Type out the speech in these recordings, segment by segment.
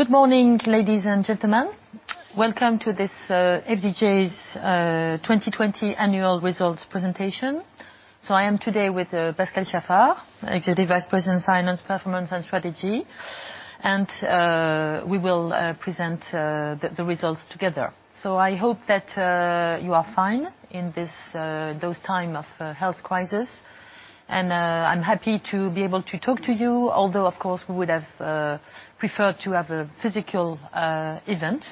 Good morning, ladies and gentlemen. Welcome to this FDJ's 2020 annual results presentation. I am today with Pascal Chaffard, Executive Vice President, Finance, Performance, and Strategy. We will present the results together. I hope that you are fine in those times of health crisis. I am happy to be able to talk to you, although, of course, we would have preferred to have a physical event.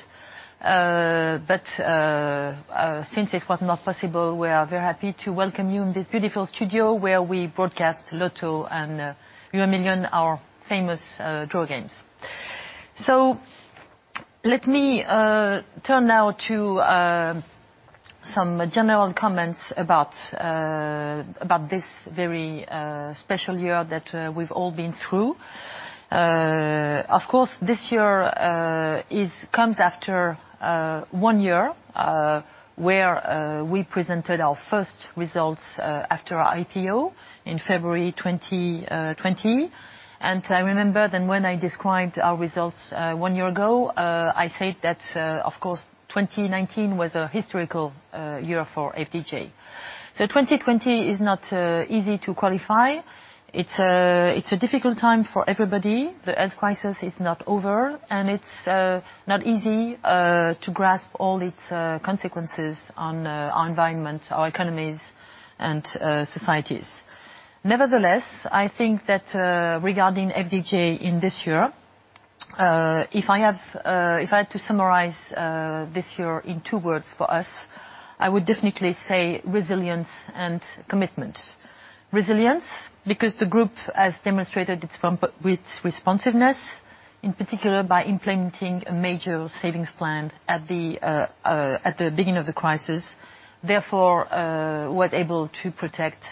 Since it was not possible, we are very happy to welcome you in this beautiful studio where we broadcast Lotto and Euromillions, our famous draw games. Let me turn now to some general comments about this very special year that we've all been through. Of course, this year comes after one year where we presented our first results after our IPO in February 2020. I remember then when I described our results one year ago, I said that, of course, 2019 was a historical year for FDJ. 2020 is not easy to qualify. It is a difficult time for everybody. The health crisis is not over. It is not easy to grasp all its consequences on our environment, our economies, and societies. Nevertheless, I think that FDJ in this year, if I had to summarize this year in two words for us, I would definitely say resilience and commitment. Resilience, because the group has demonstrated its responsiveness, in particular by implementing a major savings plan at the beginning of the crisis. Therefore, we were able to protect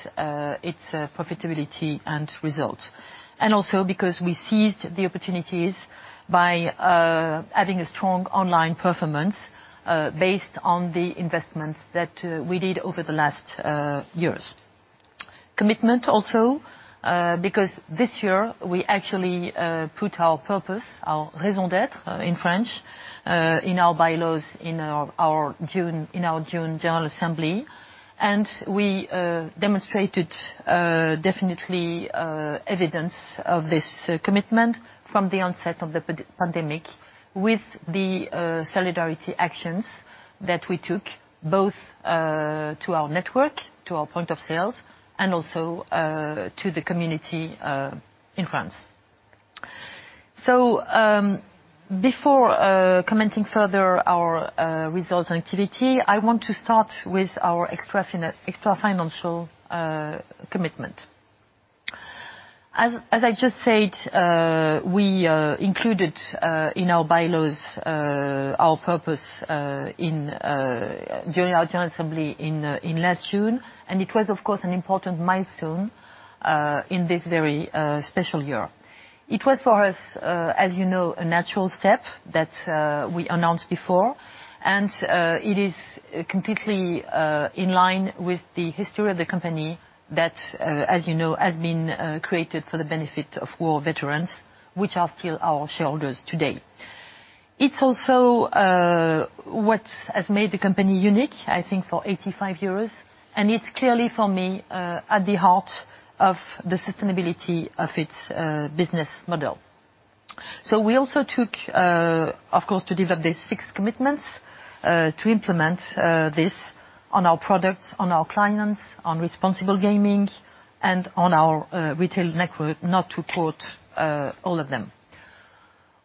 its profitability and results. Also because we seized the opportunities by having a strong online performance based on the investments that we did over the last years. Commitment also, because this year we actually put our purpose, our raison d'être in French, in our by-laws in our June General Assembly. We demonstrated definitely evidence of this commitment from the onset of the pandemic with the solidarity actions that we took both to our network, to our point of sales, and also to the community in France. Before commenting further on our results and activity, I want to start with our extra-financial commitment. As I just said, we included in our by-laws our purpose during our General Assembly in last June. It was, of course, an important milestone in this very special year. It was for us, as you know, a natural step that we announced before. It is completely in line with the history of the company that, as you know, has been created for the benefit of war veterans, which are still our shareholders today. It's also what has made the company unique, I think, for 85 years. It is clearly, for me, at the heart of the sustainability of its business model. We also took, of course, to develop these six commitments to implement this on our products, on our clients, on responsible gaming, and on our retail network, not to quote all of them.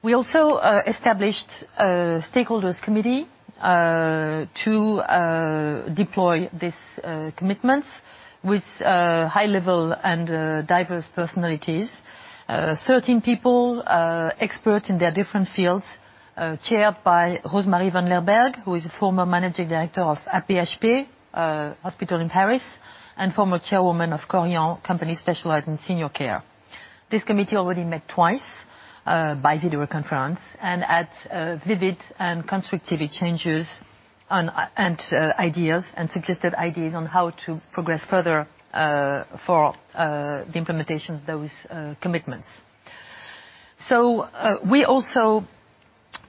We also established a stakeholders' committee to deploy these commitments with high-level and diverse personalities. Thirteen people, experts in their different fields, chaired by Rose-Marie Van Lerberghe, who is a former managing director of AP-HP, a hospital in Paris, and former chairwoman of Korian, a company specialized in senior care. This committee already met twice by video conference and had vivid and constructive exchanges and suggested ideas on how to progress further for the implementation of those commitments. We also,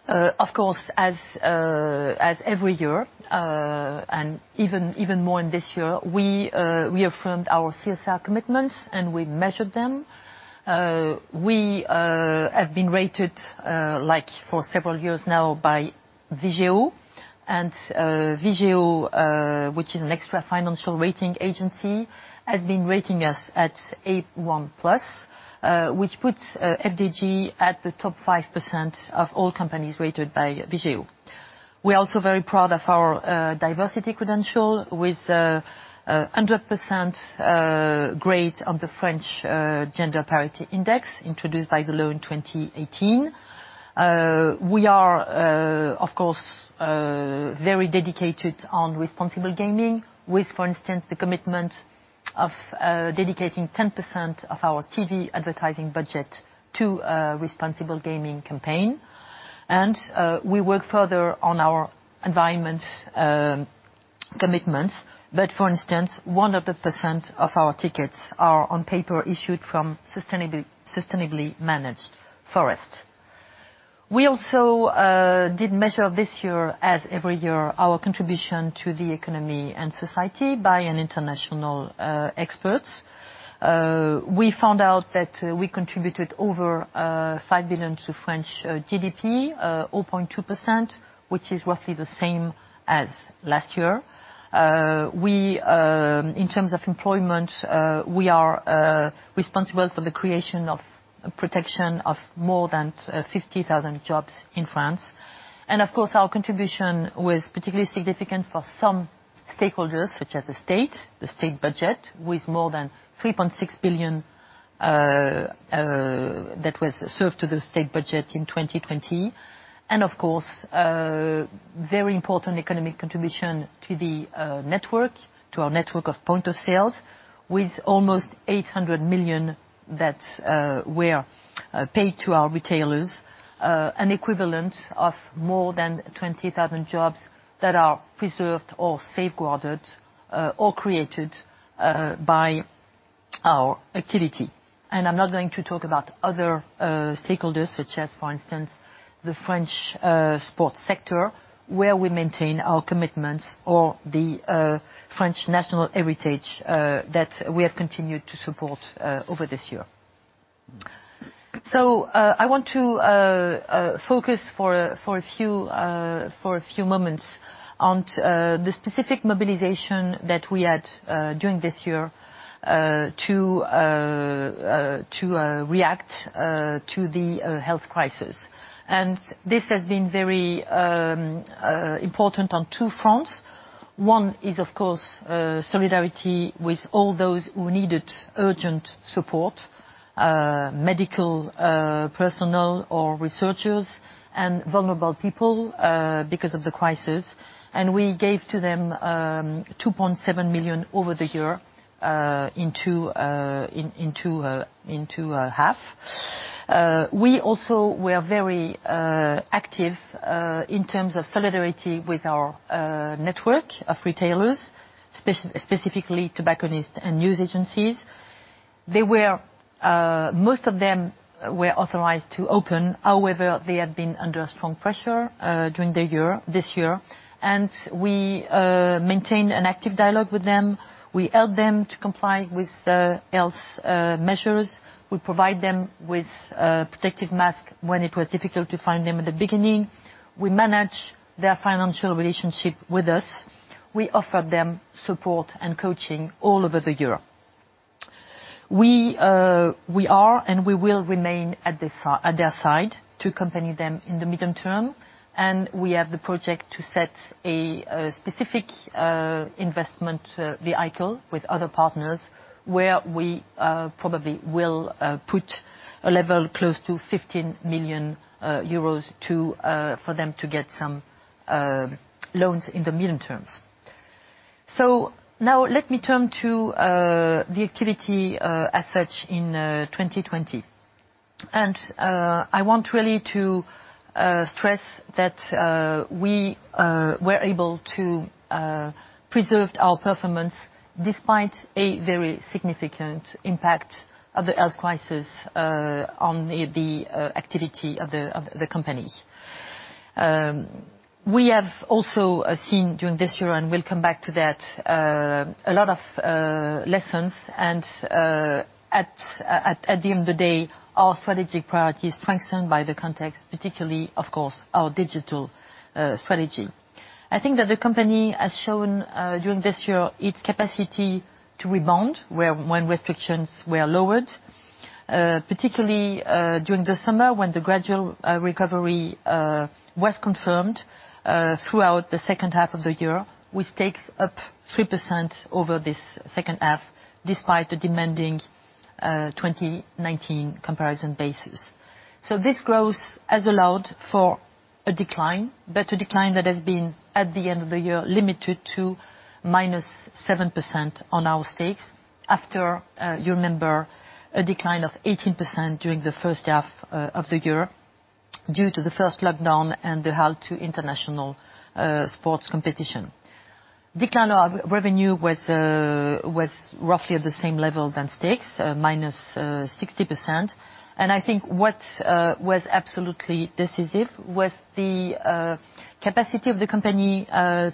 of course, as every year, and even more in this year, affirmed our CSR commitments and we measured them. We have been rated for several years now by Vigéo. Vigéo, which is an extra-financial rating agency, has been rating us at A1+, which FDJ at the top 5% of all companies rated by Vigéo. We are also very proud of our diversity credential with a 100% grade on the French Gender Parity Index introduced by Deloitte in 2018. We are, of course, very dedicated to responsible gaming with, for instance, the commitment of dedicating 10% of our TV advertising budget to a responsible gaming campaign. We work further on our environment commitments. For instance, 100% of our tickets are on paper issued from sustainably managed forests. We also did measure this year, as every year, our contribution to the economy and society by international experts. We found out that we contributed over 5 billion to French GDP, 0.2%, which is roughly the same as last year. In terms of employment, we are responsible for the creation or protection of more than 50,000 jobs in France. Of course, our contribution was particularly significant for some stakeholders, such as the state, the state budget, with more than 3.6 billion that was served to the state budget in 2020. Of course, very important economic contribution to our network of point of sales, with almost 800 million that were paid to our retailers, an equivalent of more than 20,000 jobs that are preserved or safeguarded or created by our activity. I'm not going to talk about other stakeholders, such as, for instance, the French sports sector, where we maintain our commitments, or the French national heritage that we have continued to support over this year. I want to focus for a few moments on the specific mobilization that we had during this year to react to the health crisis. This has been very important on two fronts. One is, of course, solidarity with all those who needed urgent support, medical personnel or researchers, and vulnerable people because of the crisis. We gave to them 2.7 million over the year into half. We also were very active in terms of solidarity with our network of retailers, specifically tobacconists and news agencies. Most of them were authorized to open. However, they have been under strong pressure during this year. We maintained an active dialogue with them. We helped them to comply with health measures. We provided them with protective masks when it was difficult to find them at the beginning. We managed their financial relationship with us. We offered them support and coaching all over the year. We are and we will remain at their side to accompany them in the medium term. We have the project to set a specific investment vehicle with other partners where we probably will put a level close to 15 million euros for them to get some loans in the medium term. Now let me turn to the activity as such in 2020. I want really to stress that we were able to preserve our performance despite a very significant impact of the health crisis on the activity of the company. We have also seen during this year, and we'll come back to that, a lot of lessons. At the end of the day, our strategic priority is strengthened by the context, particularly, of course, our digital strategy. I think that the company has shown during this year its capacity to rebound when restrictions were lowered, particularly during the summer when the gradual recovery was confirmed throughout the second half of the year, which takes up 3% over this second half despite the demanding 2019 comparison basis. This growth has allowed for a decline, but a decline that has been, at the end of the year, limited to -7% on our stakes after, you remember, a decline of 18% during the first half of the year due to the first lockdown and the halt to international sports competition. Decline of revenue was roughly at the same level as stakes, -60%. What was absolutely decisive was the capacity of the company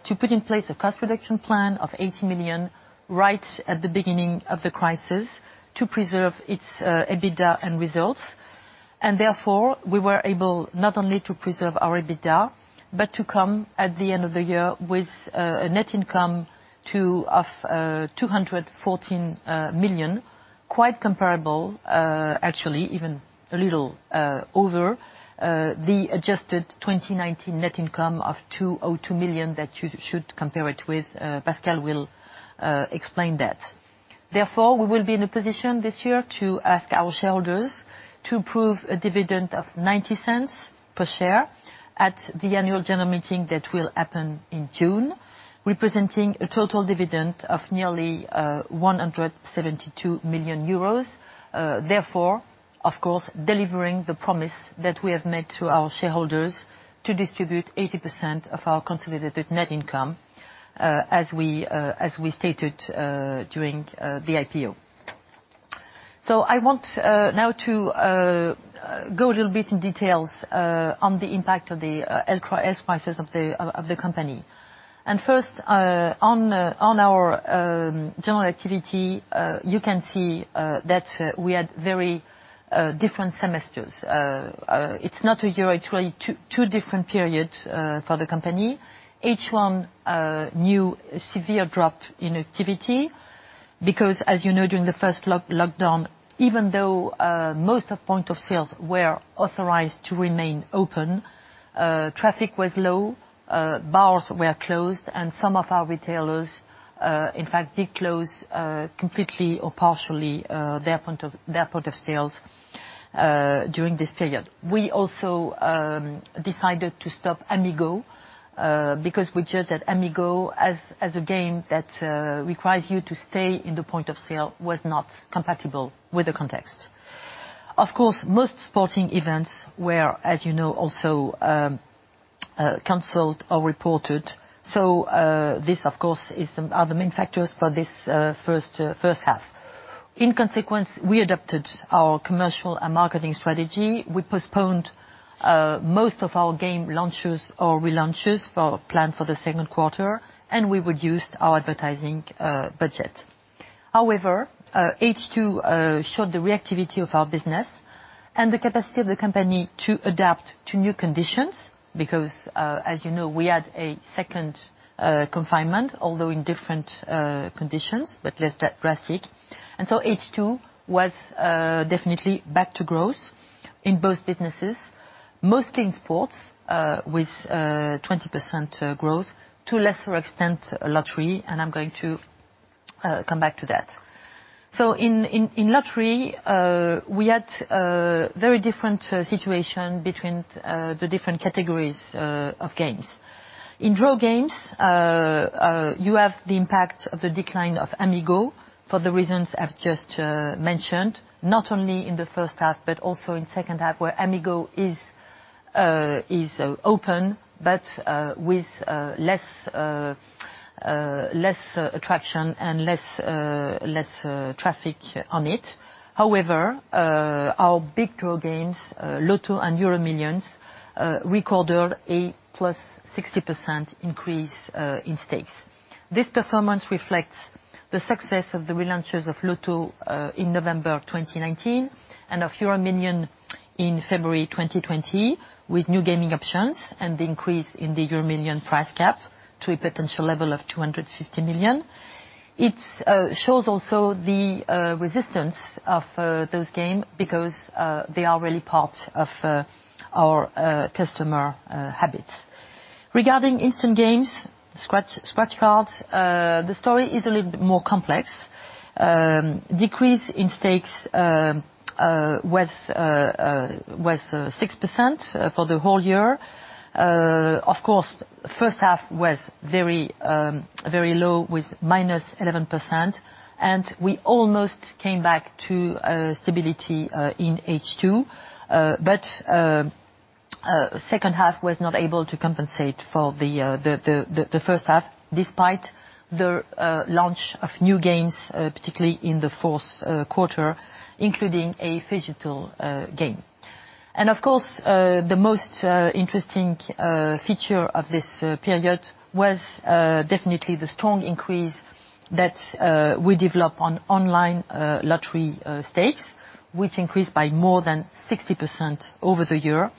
to put in place a cost reduction plan of 80 million right at the beginning of the crisis to preserve its EBITDA and results. Therefore, we were able not only to preserve our EBITDA, but to come at the end of the year with a net income of 214 million, quite comparable, actually, even a little over the adjusted 2019 net income of 202 million that you should compare it with. Pascal will explain that. Therefore, we will be in a position this year to ask our shareholders to approve a dividend of 0.90 per share at the annual general meeting that will happen in June, representing a total dividend of nearly 172 million euros. Therefore, of course, delivering the promise that we have made to our shareholders to distribute 80% of our consolidated net income, as we stated during the IPO. I want now to go a little bit in details on the impact of the health crisis of the company. First, on our general activity, you can see that we had very different semesters. It's not a year, it's really two different periods for the company. Each one knew a severe drop in activity because, as you know, during the first lockdown, even though most of point of sales were authorized to remain open, traffic was low, bars were closed, and some of our retailers, in fact, did close completely or partially their point of sales during this period. We also decided to stop Amigo because we judged that Amigo, as a game that requires you to stay in the point of sale, was not compatible with the context. Of course, most sporting events were, as you know, also canceled or postponed. This, of course, is the main factor for this first half. In consequence, we adapted our commercial and marketing strategy. We postponed most of our game launches or relaunches planned for the second quarter, and we reduced our advertising budget. However, H2 showed the reactivity of our business and the capacity of the company to adapt to new conditions because, as you know, we had a second confinement, although in different conditions, but less drastic. H2 was definitely back to growth in both businesses, mostly in sports with 20% growth, to a lesser extent lottery, and I'm going to come back to that. In lottery, we had a very different situation between the different categories of games. In draw games, you have the impact of the decline of Amigo for the reasons I've just mentioned, not only in the first half, but also in the second half, where Amigo is open, but with less attraction and less traffic on it. However, our big draw games, Lotto and Euromillions, recorded a +60% increase in stakes. This performance reflects the success of the relaunches of Lotto in November 2019 and of Euromillions in February 2020 with new gaming options and the increase in the Euromillions price cap to a potential level of 250 million. It shows also the resistance of those games because they are really part of our customer habits. Regarding instant games, scratch cards, the story is a little bit more complex. Decrease in stakes was 6% for the whole year. Of course, first half was very low with minus 11%, and we almost came back to stability in H2. The second half was not able to compensate for the first half despite the launch of new games, particularly in the fourth quarter, including a phygital game. The most interesting feature of this period was definitely the strong increase that we developed on online lottery stakes, which increased by more than 60% over the year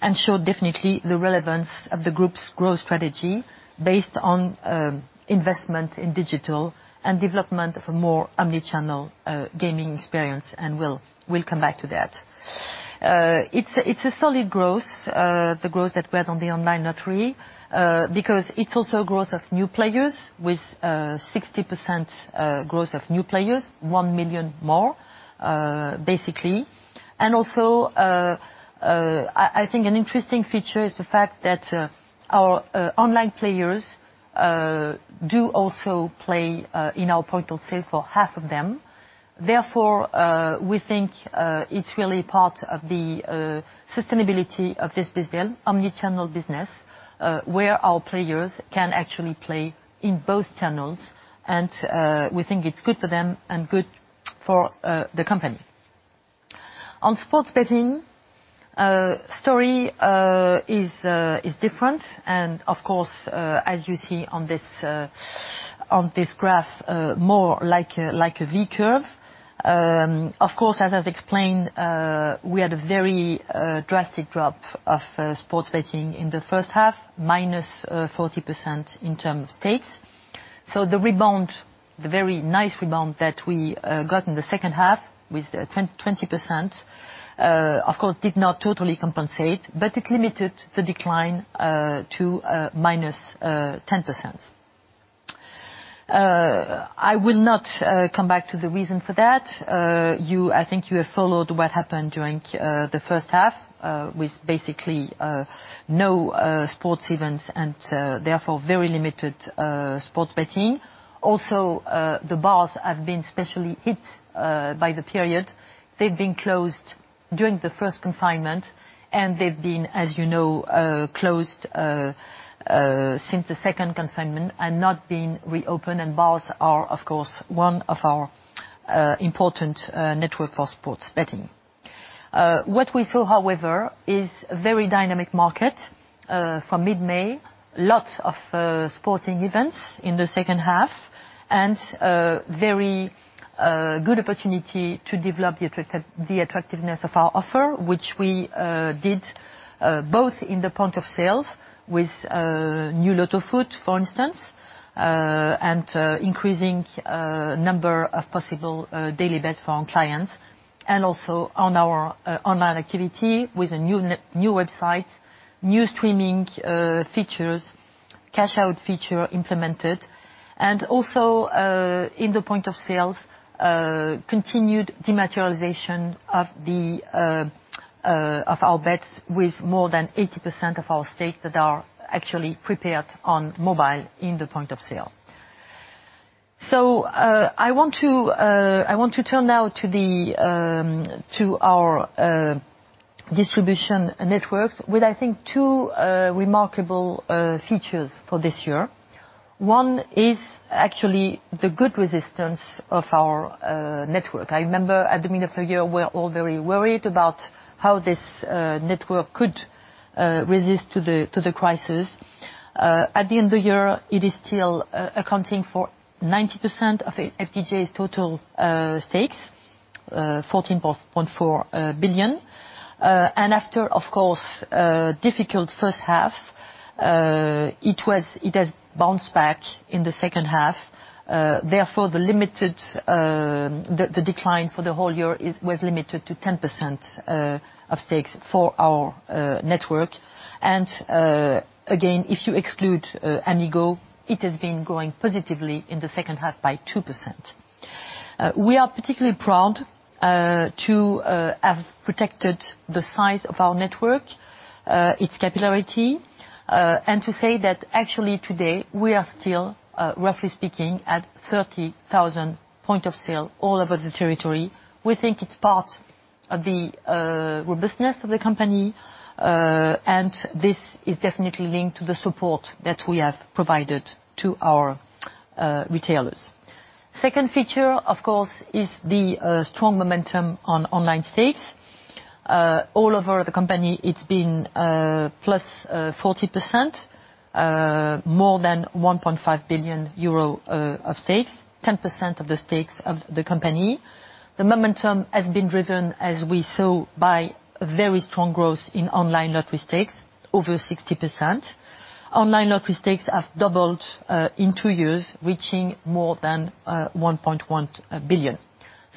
and showed definitely the relevance of the group's growth strategy based on investment in digital and development of a more omnichannel gaming experience. We'll come back to that. It's a solid growth, the growth that we had on the online lottery because it's also a growth of new players with 60% growth of new players, 1 million more basically. I think an interesting feature is the fact that our online players do also play in our point of sale for half of them. Therefore, we think it is really part of the sustainability of this omnichannel business where our players can actually play in both channels. We think it is good for them and good for the company. On sports betting, the story is different. As you see on this graph, more like a V curve. As I have explained, we had a very drastic drop of sports betting in the first half, minus 40% in terms of stakes. The rebound, the very nice rebound that we got in the second half with 20%, did not totally compensate, but it limited the decline to minus 10%. I will not come back to the reason for that. I think you have followed what happened during the first half with basically no sports events and therefore very limited sports betting. Also, the bars have been specially hit by the period. They've been closed during the first confinement, and they've been, as you know, closed since the second confinement and not been reopened. Bars are, of course, one of our important networks for sports betting. What we saw, however, is a very dynamic market from mid-May, lots of sporting events in the second half, and a very good opportunity to develop the attractiveness of our offer, which we did both in the point of sales with new Lotto Foot, for instance, and increasing the number of possible daily bets for our clients, and also on our online activity with a new website, new streaming features, cash-out feature implemented. Also in the point of sales, continued dematerialization of our bets with more than 80% of our stakes that are actually prepared on mobile in the point of sale. I want to turn now to our distribution network with, I think, two remarkable features for this year. One is actually the good resistance of our network. I remember at the beginning of the year, we were all very worried about how this network could resist the crisis. At the end of the year, it is still accounting for 90% of FDJ's total stakes, 14.4 billion. After, of course, a difficult first half, it has bounced back in the second half. Therefore, the decline for the whole year was limited to 10% of stakes for our network. Again, if you exclude Amigo, it has been growing positively in the second half by 2%. We are particularly proud to have protected the size of our network, its capillarity, and to say that actually today we are still, roughly speaking, at 30,000 point of sale all over the territory. We think it's part of the robustness of the company, and this is definitely linked to the support that we have provided to our retailers. Second feature, of course, is the strong momentum on online stakes. All over the company, it's been plus 40%, more than 1.5 billion euro of stakes, 10% of the stakes of the company. The momentum has been driven, as we saw, by very strong growth in online lottery stakes, over 60%. Online lottery stakes have doubled in two years, reaching more than 1.1 billion.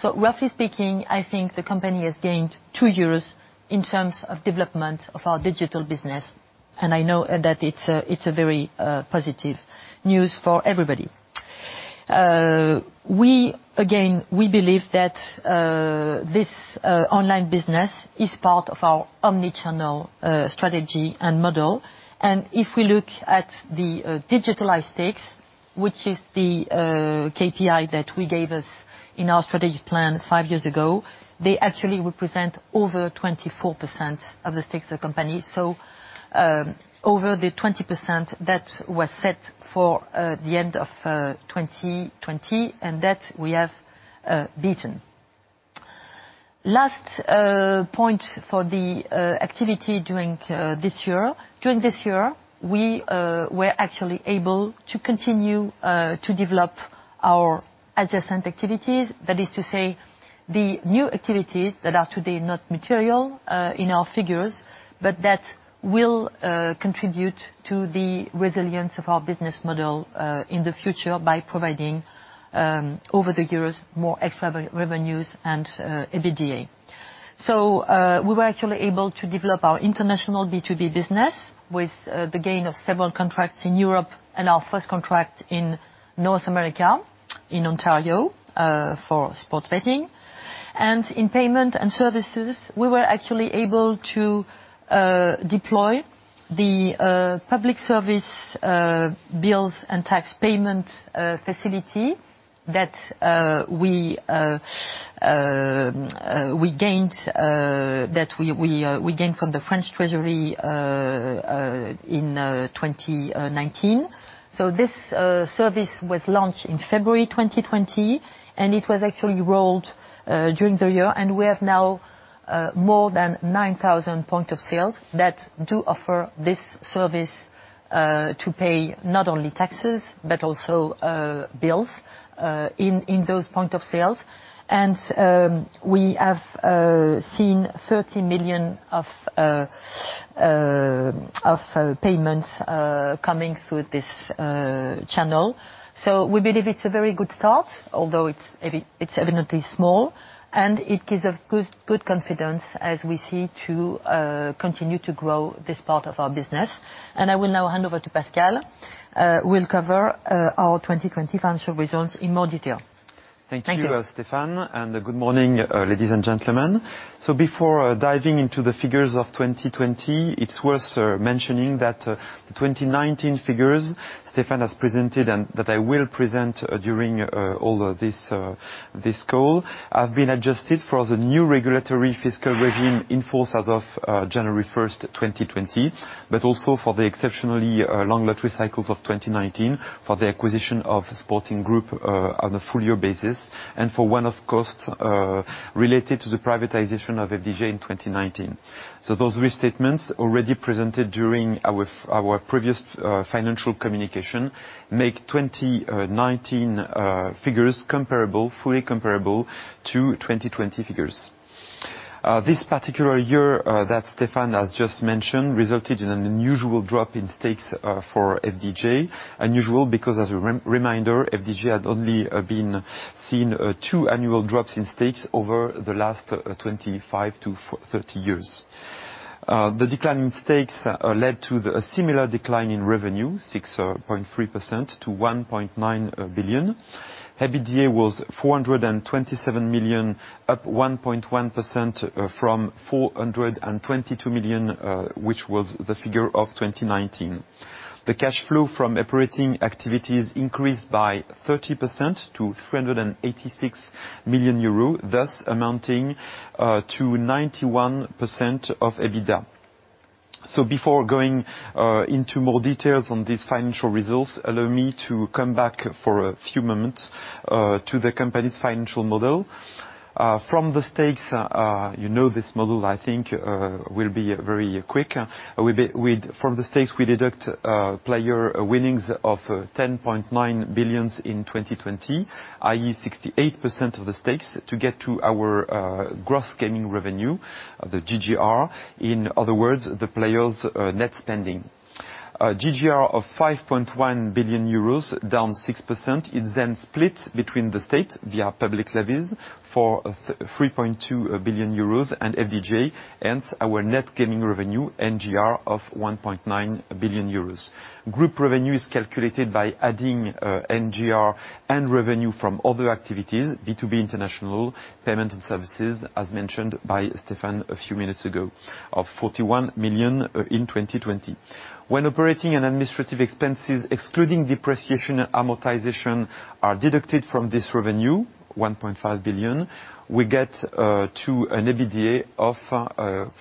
Roughly speaking, I think the company has gained two years in terms of development of our digital business, and I know that it's very positive news for everybody. Again, we believe that this online business is part of our omnichannel strategy and model. If we look at the digitalized stakes, which is the KPI that we gave us in our strategy plan five years ago, they actually represent over 24% of the stakes of the company. Over the 20% that was set for the end of 2020, and that we have beaten. Last point for the activity during this year, during this year, we were actually able to continue to develop our adjacent activities. That is to say, the new activities that are today not material in our figures, but that will contribute to the resilience of our business model in the future by providing, over the years, more extra revenues and EBITDA. We were actually able to develop our international B2B business with the gain of several contracts in Europe and our first contract in North America in Ontario for sports betting. In payment and services, we were actually able to deploy the public service bills and tax payment facility that we gained from the French Treasury in 2019. This service was launched in February 2020, and it was actually rolled during the year. We have now more than 9,000 point of sales that do offer this service to pay not only taxes, but also bills in those point of sales. We have seen 30 million of payments coming through this channel. We believe it is a very good start, although it is evidently small, and it gives us good confidence, as we see, to continue to grow this part of our business. I will now hand over to Pascal. He will cover our 2020 financial results in more detail. Thank you as well, Stéphane, and good morning, ladies and gentlemen. Before diving into the figures of 2020, it is worth mentioning that the 2019 figures Stéphane has presented and that I will present during all this call have been adjusted for the new regulatory fiscal regime in force as of January 1, 2020, but also for the exceptionally long lottery cycles of 2019, for the acquisition of Sporting Group on a full-year basis, and for one-off costs related to the privatization of FDJ in 2019. Those restatements already presented during our previous financial communication make 2019 figures comparable, fully comparable to 2020 figures. This particular year that Stéphane has just mentioned resulted in an unusual drop in stakes for FDJ, unusual because, as a reminder, FDJ had only been seeing two annual drops in stakes over the last 25 to 30 years. The decline in stakes led to a similar decline in revenue, 6.3% to 1.9 billion. EBITDA was 427 million, up 1.1% from 422 million, which was the figure of 2019. The cash flow from operating activities increased by 30% to 386 million euro, thus amounting to 91% of EBITDA. Before going into more details on these financial results, allow me to come back for a few moments to the company's financial model. From the stakes, you know this model, I think, will be very quick. From the stakes, we deduct player winnings of 10.9 billion in 2020, i.e., 68% of the stakes, to get to our gross gaming revenue, the GGR. In other words, the players' net spending. GGR of 5.1 billion euros, down 6%. It's then split between the state via public levies for 3.2 billion euros and FDJ, hence our net gaming revenue, NGR, of 1.9 billion euros. Group revenue is calculated by adding NGR and revenue from other activities, B2B international payment and services, as mentioned by Stéphane a few minutes ago, of 41 million in 2020. When operating and administrative expenses, excluding depreciation and amortization, are deducted from this revenue, 1.5 billion, we get to an EBITDA of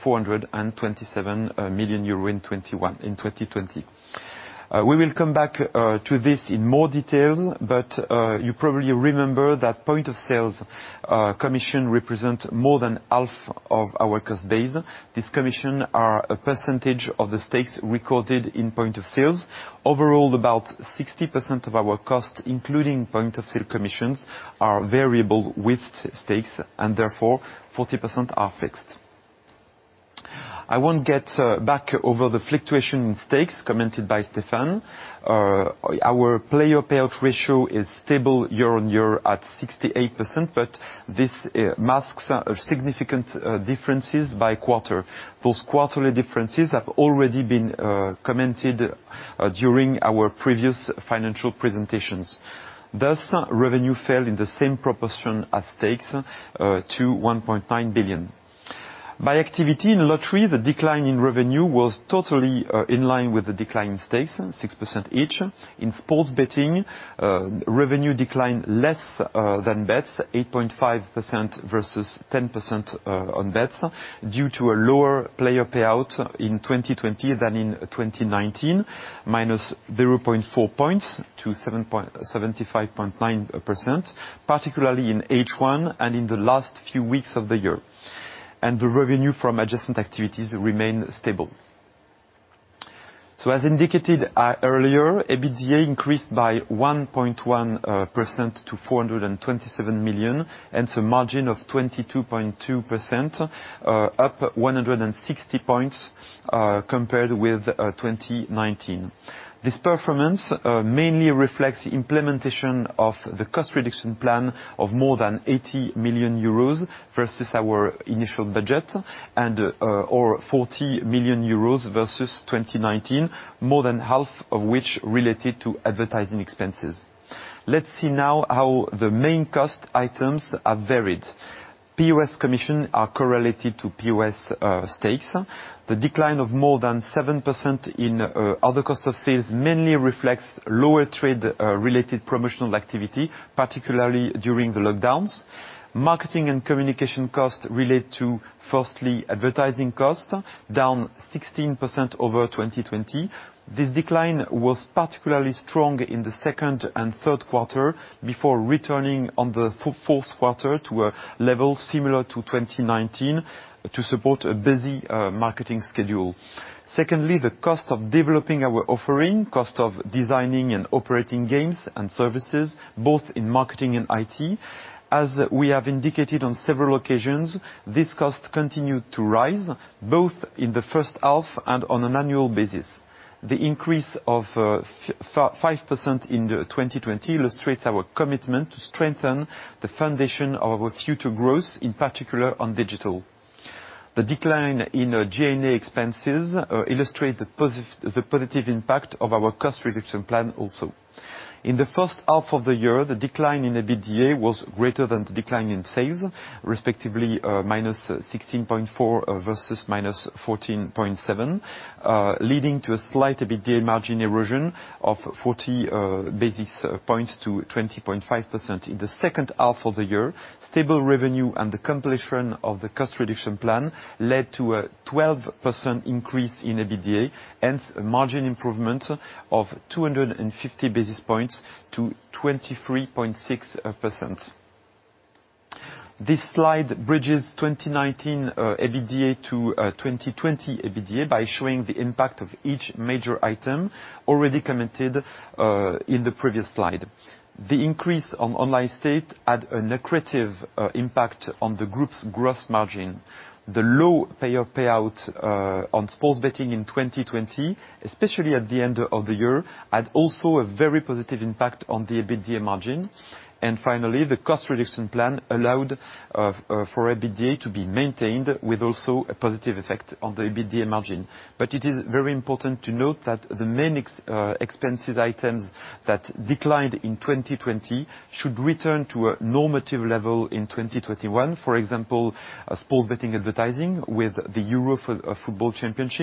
427 million euro in 2020. We will come back to this in more detail, but you probably remember that point of sales commission represents more than half of our cost base. These commissions are a percentage of the stakes recorded in point of sales. Overall, about 60% of our costs, including point of sale commissions, are variable with stakes, and therefore, 40% are fixed. I won't get back over the fluctuation in stakes commented by Stéphane. Our player payout ratio is stable year on year at 68%, but this masks significant differences by quarter. Those quarterly differences have already been commented during our previous financial presentations. Thus, revenue fell in the same proportion as stakes to 1.9 billion. By activity in lottery, the decline in revenue was totally in line with the decline in stakes, 6% each. In sports betting, revenue declined less than bets, 8.5% versus 10% on bets, due to a lower player payout in 2020 than in 2019, -0.4 percentage points to 75.9%, particularly in H1 and in the last few weeks of the year. The revenue from adjacent activities remained stable. As indicated earlier, EBITDA increased by 1.1% to 427 million, hence a margin of 22.2%, up 160 basis points compared with 2019. This performance mainly reflects the implementation of the cost reduction plan of more than 80 million euros versus our initial budget, and/or 40 million euros versus 2019, more than half of which related to advertising expenses. Let's see now how the main cost items have varied. POS commissions are correlated to POS stakes. The decline of more than 7% in other cost of sales mainly reflects lower trade-related promotional activity, particularly during the lockdowns. Marketing and communication costs relate to, firstly, advertising costs, down 16% over 2020. This decline was particularly strong in the second and third quarter before returning in the fourth quarter to a level similar to 2019 to support a busy marketing schedule. Secondly, the cost of developing our offering, cost of designing and operating games and services, both in marketing and IT. As we have indicated on several occasions, these costs continued to rise, both in the first half and on an annual basis. The increase of 5% in 2020 illustrates our commitment to strengthen the foundation of our future growth, in particular on digital. The decline in GNA expenses illustrates the positive impact of our cost reduction plan also. In the first half of the year, the decline in EBITDA was greater than the decline in sales, respectively minus 16.4 versus minus 14.7, leading to a slight EBITDA margin erosion of 40 basis points to 20.5%. In the second half of the year, stable revenue and the completion of the cost reduction plan led to a 12% increase in EBITDA, hence a margin improvement of 250 basis points to 23.6%. This slide bridges 2019 EBITDA to 2020 EBITDA by showing the impact of each major item already commented in the previous slide. The increase on online state had a lucrative impact on the group's gross margin. The low player payout on sports betting in 2020, especially at the end of the year, had also a very positive impact on the EBITDA margin. Finally, the cost reduction plan allowed for EBITDA to be maintained with also a positive effect on the EBITDA margin. It is very important to note that the main expenses items that declined in 2020 should return to a normative level in 2021, for example, sports betting advertising with the Euro Football Championship.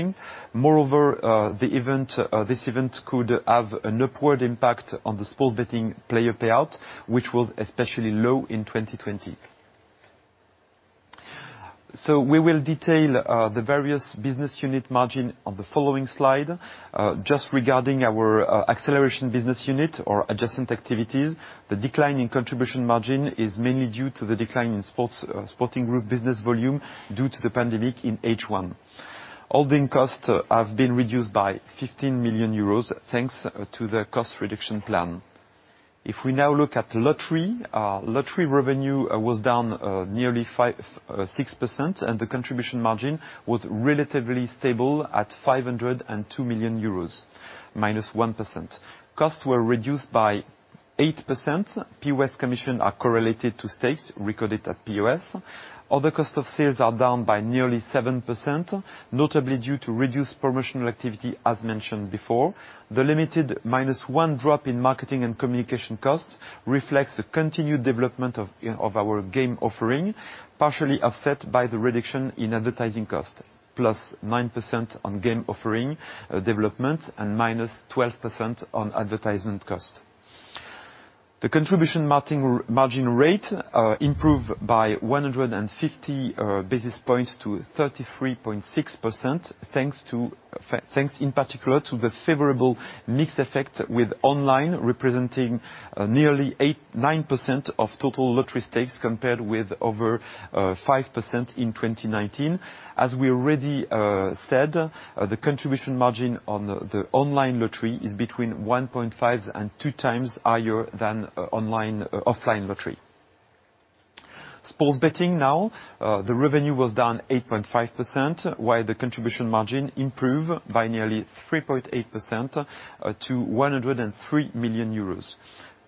Moreover, this event could have an upward impact on the sports betting player payout, which was especially low in 2020. We will detail the various business unit margin on the following slide. Just regarding our acceleration business unit or adjacent activities, the decline in contribution margin is mainly due to the decline in sporting group business volume due to the pandemic in H1. Holding costs have been reduced by 15 million euros thanks to the cost reduction plan. If we now look at lottery, lottery revenue was down nearly 6%, and the contribution margin was relatively stable at 502 million euros, minus 1%. Costs were reduced by 8%. POS commissions are correlated to stakes recorded at POS. Other cost of sales are down by nearly 7%, notably due to reduced promotional activity as mentioned before. The limited minus 1% drop in marketing and communication costs reflects the continued development of our game offering, partially offset by the reduction in advertising cost, plus 9% on game offering development and minus 12% on advertisement cost. The contribution margin rate improved by 150 basis points to 33.6%, thanks in particular to the favorable mix effect with online representing nearly 9% of total lottery stakes compared with over 5% in 2019. As we already said, the contribution margin on the online lottery is between 1.5 and 2 times higher than offline lottery. Sports betting now, the revenue was down 8.5%, while the contribution margin improved by nearly 3.8% to 103 million euros.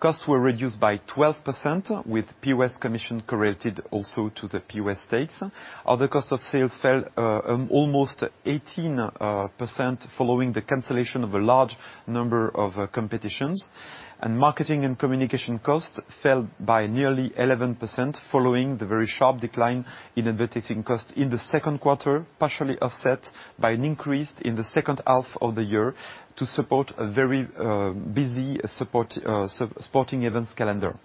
Costs were reduced by 12% with POS commission correlated also to the POS stakes. Other cost of sales fell almost 18% following the cancellation of a large number of competitions. Marketing and communication costs fell by nearly 11% following the very sharp decline in advertising costs in the second quarter, partially offset by an increase in the second half of the year to support a very busy sporting events calendar.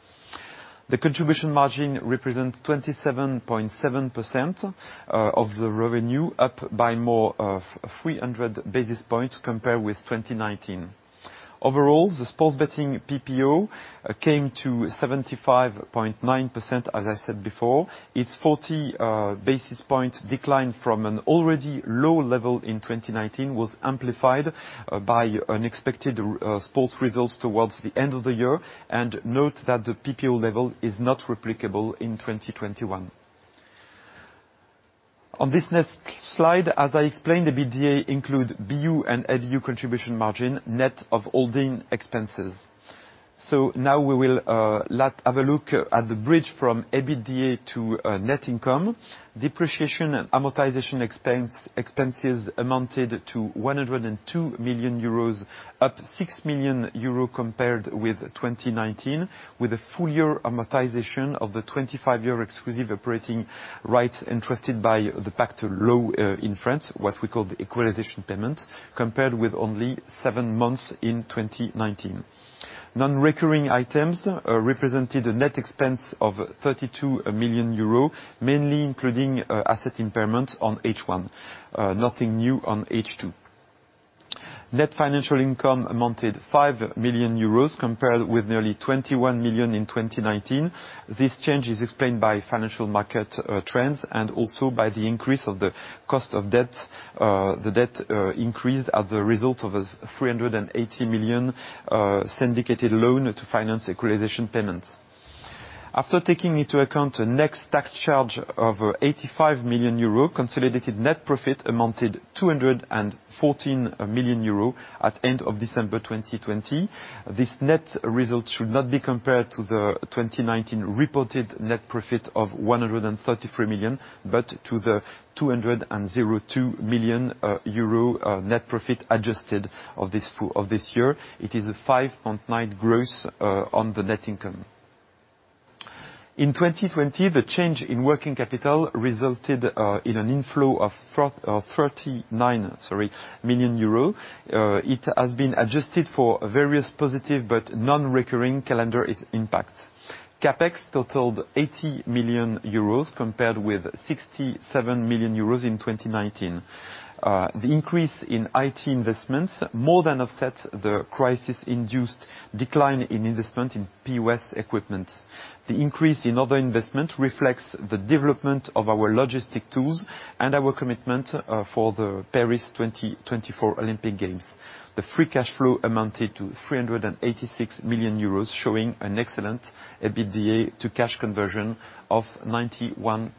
The contribution margin represents 27.7% of the revenue, up by more than 300 basis points compared with 2019. Overall, the sports betting PPO came to 75.9%, as I said before. Its 40 basis point decline from an already low level in 2019 was amplified by unexpected sports results towards the end of the year. Note that the PPO level is not replicable in 2021. On this next slide, as I explained, EBITDA includes BU and LU contribution margin net of holding expenses. Now we will have a look at the bridge from EBITDA to net income. Depreciation and amortization expenses amounted to 102 million euros, up 6 million euros compared with 2019, with a full-year amortization of the 25-year exclusive operating rights entrusted by the PACTE Law in France, what we call the equalization payment, compared with only seven months in 2019. Non-recurring items represented a net expense of 32 million euros, mainly including asset impairment on H1, nothing new on H2. Net financial income amounted to 5 million euros compared with nearly 21 million in 2019. This change is explained by financial market trends and also by the increase of the cost of debt. The debt increased as a result of a 380 million syndicated loan to finance equalization payments. After taking into account the next tax charge of 85 million euro, consolidated net profit amounted to 214 million euro at the end of December 2020. This net result should not be compared to the 2019 reported net profit of 133 million, but to the 202 million euro net profit adjusted of this year. It is a 5.9% gross on the net income. In 2020, the change in working capital resulted in an inflow of 39 million euro. It has been adjusted for various positive but non-recurring calendar impacts. CapEx totaled 80 million euros compared with 67 million euros in 2019. The increase in IT investments more than offsets the crisis-induced decline in investment in POS equipment. The increase in other investment reflects the development of our logistic tools and our commitment for the Paris 2024 Olympic Games. The free cash flow amounted to 386 million euros, showing an excellent EBITDA to cash conversion of 91%.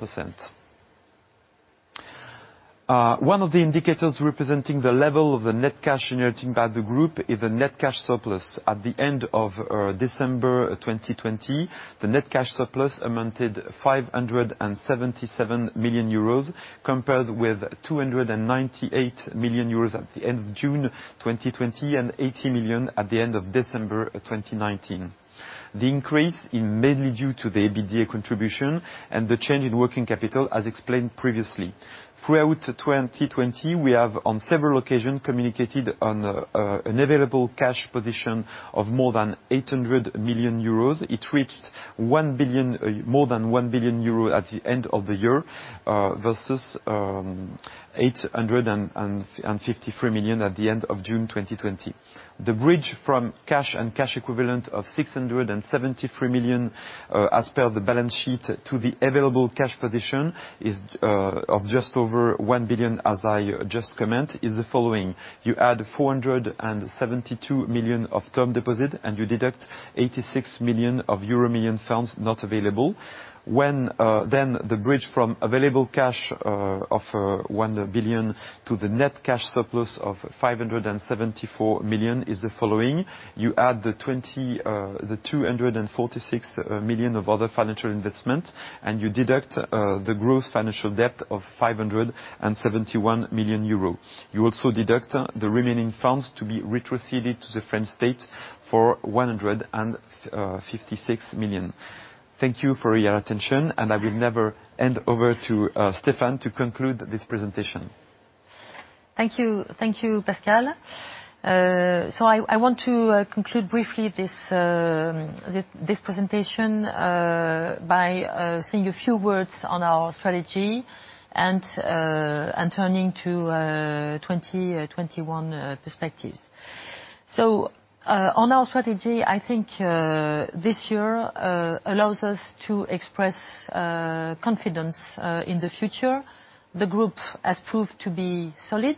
One of the indicators representing the level of the net cash inherited by the group is the net cash surplus. At the end of December 2020, the net cash surplus amounted to 577 million euros compared with 298 million euros at the end of June 2020 and 80 million at the end of December 2019. The increase is mainly due to the EBITDA contribution and the change in working capital, as explained previously. Throughout 2020, we have, on several occasions, communicated on an available cash position of more than 800 million euros. It reached more than 1 billion euros at the end of the year versus 853 million at the end of June 2020. The bridge from cash and cash equivalent of 673 million as per the balance sheet to the available cash position of just over 1 billion, as I just commented, is the following. You add 472 million of term deposit, and you deduct 86 million of Euromillions funds not available. When then the bridge from available cash of 1 billion to the net cash surplus of 574 million is the following. You add the 246 million of other financial investment, and you deduct the gross financial debt of 571 million euro. You also deduct the remaining funds to be retroceded to the French state for 156 million. Thank you for your attention, and I will now hand over to Stéphane to conclude this presentation. Thank you, Pascal. I want to conclude briefly this presentation by saying a few words on our strategy and turning to 2021 perspectives. On our strategy, I think this year allows us to express confidence in the future. The group has proved to be solid.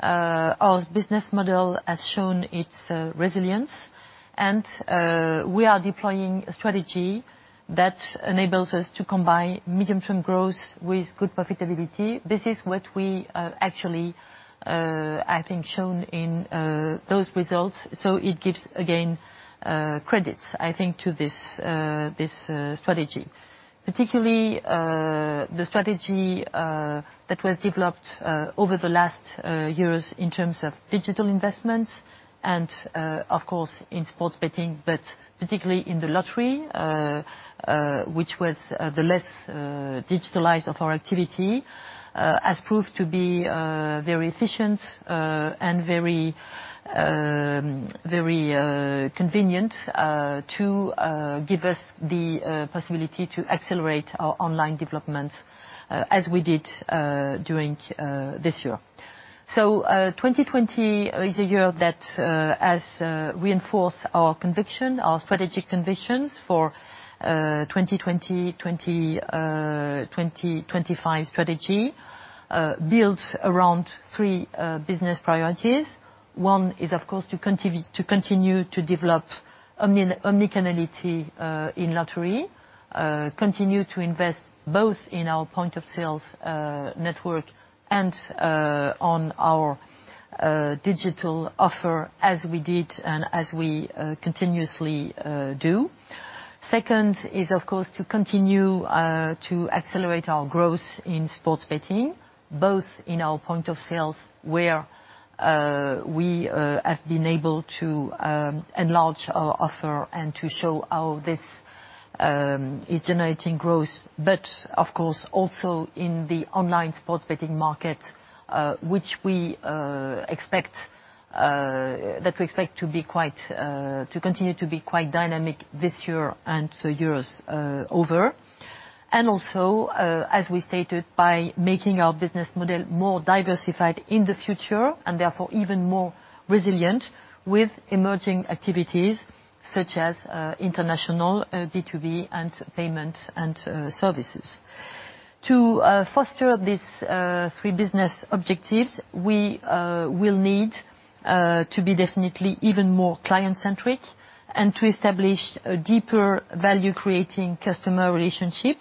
Our business model has shown its resilience, and we are deploying a strategy that enables us to combine medium-term growth with good profitability. This is what we actually, I think, showed in those results. It gives, again, credits, I think, to this strategy, particularly the strategy that was developed over the last years in terms of digital investments and, of course, in sports betting, but particularly in the lottery, which was the less digitalized of our activity, has proved to be very efficient and very convenient to give us the possibility to accelerate our online development as we did during this year. 2020 is a year that has reinforced our conviction, our strategic convictions for 2020-2025 strategy, built around three business priorities. One is, of course, to continue to develop omnichannelity in lottery, continue to invest both in our point of sales network and on our digital offer as we did and as we continuously do. Second is, of course, to continue to accelerate our growth in sports betting, both in our point of sales where we have been able to enlarge our offer and to show how this is generating growth, but, of course, also in the online sports betting market, which we expect to be quite, to continue to be quite dynamic this year and the years over. Also, as we stated, by making our business model more diversified in the future and therefore even more resilient with emerging activities such as international B2B and payments and services. To foster these three business objectives, we will need to be definitely even more client-centric and to establish a deeper value-creating customer relationship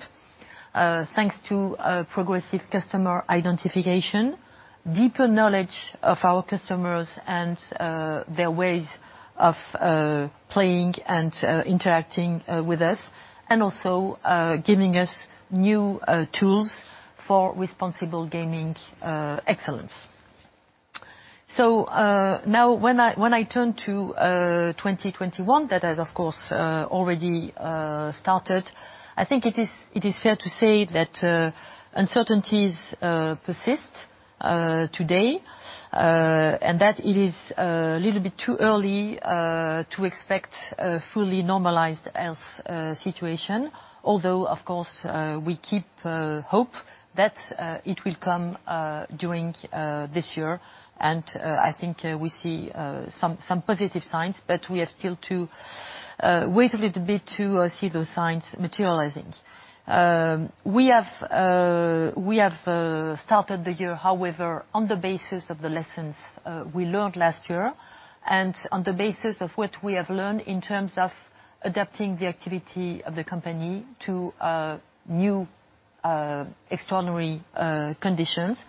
thanks to progressive customer identification, deeper knowledge of our customers and their ways of playing and interacting with us, and also giving us new tools for responsible gaming excellence. Now when I turn to 2021, that has, of course, already started, I think it is fair to say that uncertainties persist today and that it is a little bit too early to expect a fully normalized situation, although, of course, we keep hope that it will come during this year. I think we see some positive signs, but we have still to wait a little bit to see those signs materializing. We have started the year, however, on the basis of the lessons we learned last year and on the basis of what we have learned in terms of adapting the activity of the company to new extraordinary conditions.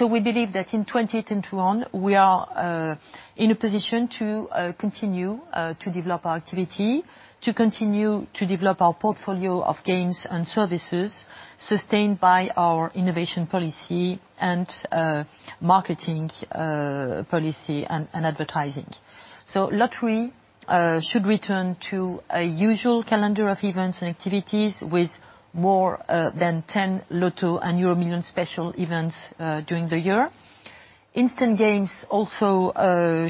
We believe that in 2021, we are in a position to continue to develop our activity, to continue to develop our portfolio of games and services sustained by our innovation policy and marketing policy and advertising. Lottery should return to a usual calendar of events and activities with more than 10 Lotto and Euromillions special events during the year. Instant games also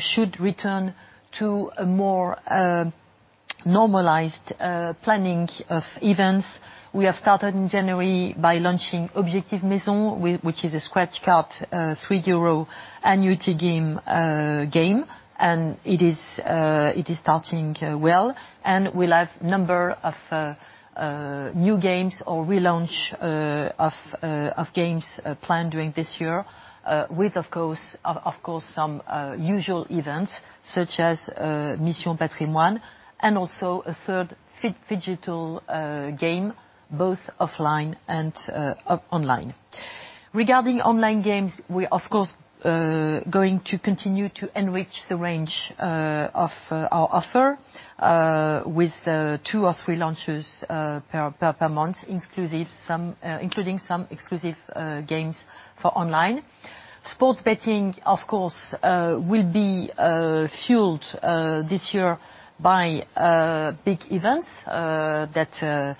should return to a more normalized planning of events. We have started in January by launching Objectif Maison, which is a scratch-card three-year annuity game, and it is starting well. We will have a number of new games or relaunch of games planned during this year with, of course, some usual events such as Mission Patrimoine and also a third phygital game, both offline and online. Regarding online games, we are, of course, going to continue to enrich the range of our offer with two or three launches per month, including some exclusive games for online. Sports betting, of course, will be fueled this year by big events that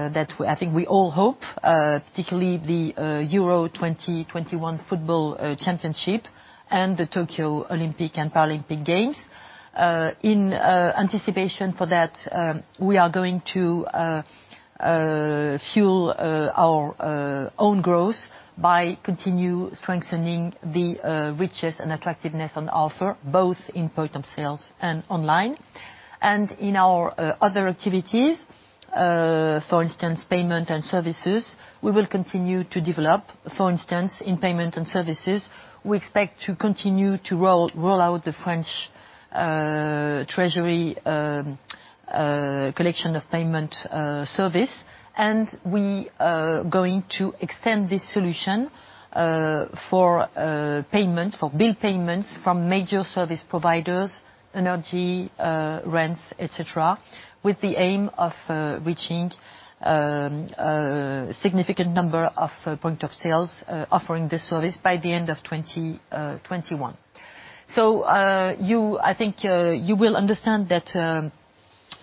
I think we all hope, particularly the Euro 2021 Football Championship and the Tokyo Olympic and Paralympic Games. In anticipation for that, we are going to fuel our own growth by continuing strengthening the richness and attractiveness of the offer, both in point of sales and online. In our other activities, for instance, payment and services, we will continue to develop. For instance, in payment and services, we expect to continue to roll out the French treasury collection of payment service. We are going to extend this solution for payments, for bill payments from major service providers, energy, rents, etc., with the aim of reaching a significant number of point of sales offering this service by the end of 2021. I think you will understand that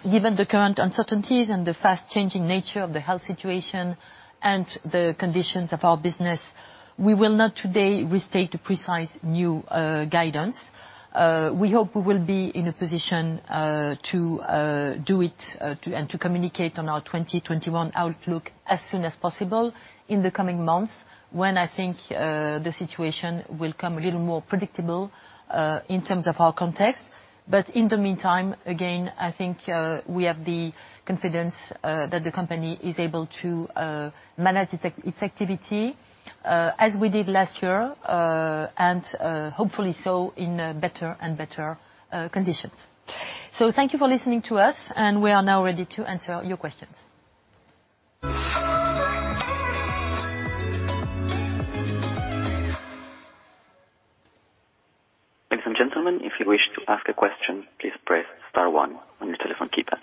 given the current uncertainties and the fast-changing nature of the health situation and the conditions of our business, we will not today restate the precise new guidance. We hope we will be in a position to do it and to communicate on our 2021 outlook as soon as possible in the coming months when I think the situation will become a little more predictable in terms of our context. In the meantime, again, I think we have the confidence that the company is able to manage its activity as we did last year and hopefully so in better and better conditions. Thank you for listening to us, and we are now ready to answer your questions. Ladies and gentlemen, if you wish to ask a question, please press star one on your telephone keypad.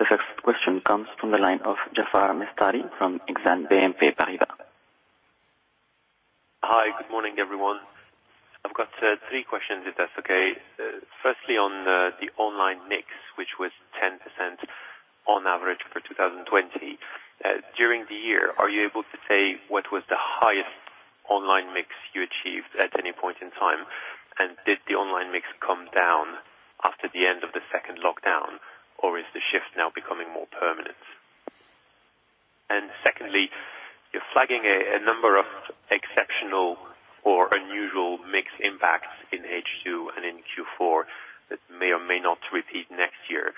The first question comes from the line of Jaafar Mestari from Exane BNP Paribas. Hi, good morning, everyone. I've got three questions, if that's okay. Firstly, on the online mix, which was 10% on average for 2020, during the year, are you able to say what was the highest online mix you achieved at any point in time? Did the online mix come down after the end of the second lockdown, or is the shift now becoming more permanent? Secondly, you're flagging a number of exceptional or unusual mix impacts in H2 and in Q4 that may or may not repeat next year.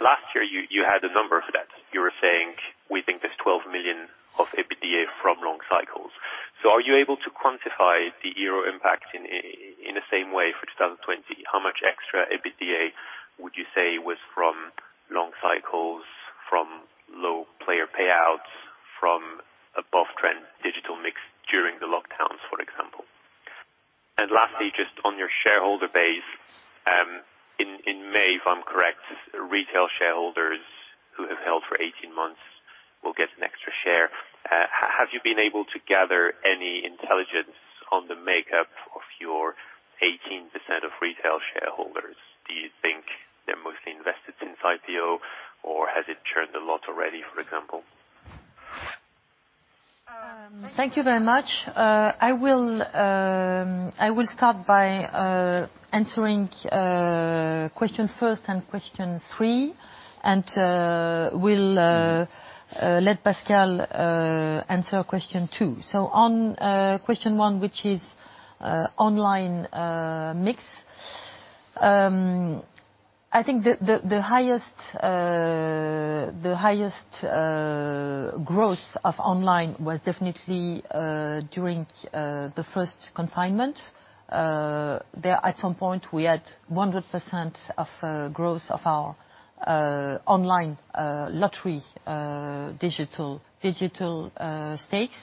Last year, you had a number for that. You were saying, "We think there's 12 million of EBITDA from long cycles." Are you able to quantify the euro impact in the same way for 2020? How much extra EBITDA would you say was from long cycles, from low player payouts, from above-trend digital mix during the lockdowns, for example? Lastly, just on your shareholder base, in May, if I'm correct, retail shareholders who have held for 18 months will get an extra share. Have you been able to gather any intelligence on the makeup of your 18% of retail shareholders? Do you think they're mostly invested since IPO, or has it churned a lot already, for example? Thank you very much. I will start by answering question one and question three, and we'll let Pascal answer question two. On question one, which is online mix, I think the highest growth of online was definitely during the first confinement. At some point, we had 100% growth of our online lottery digital stakes.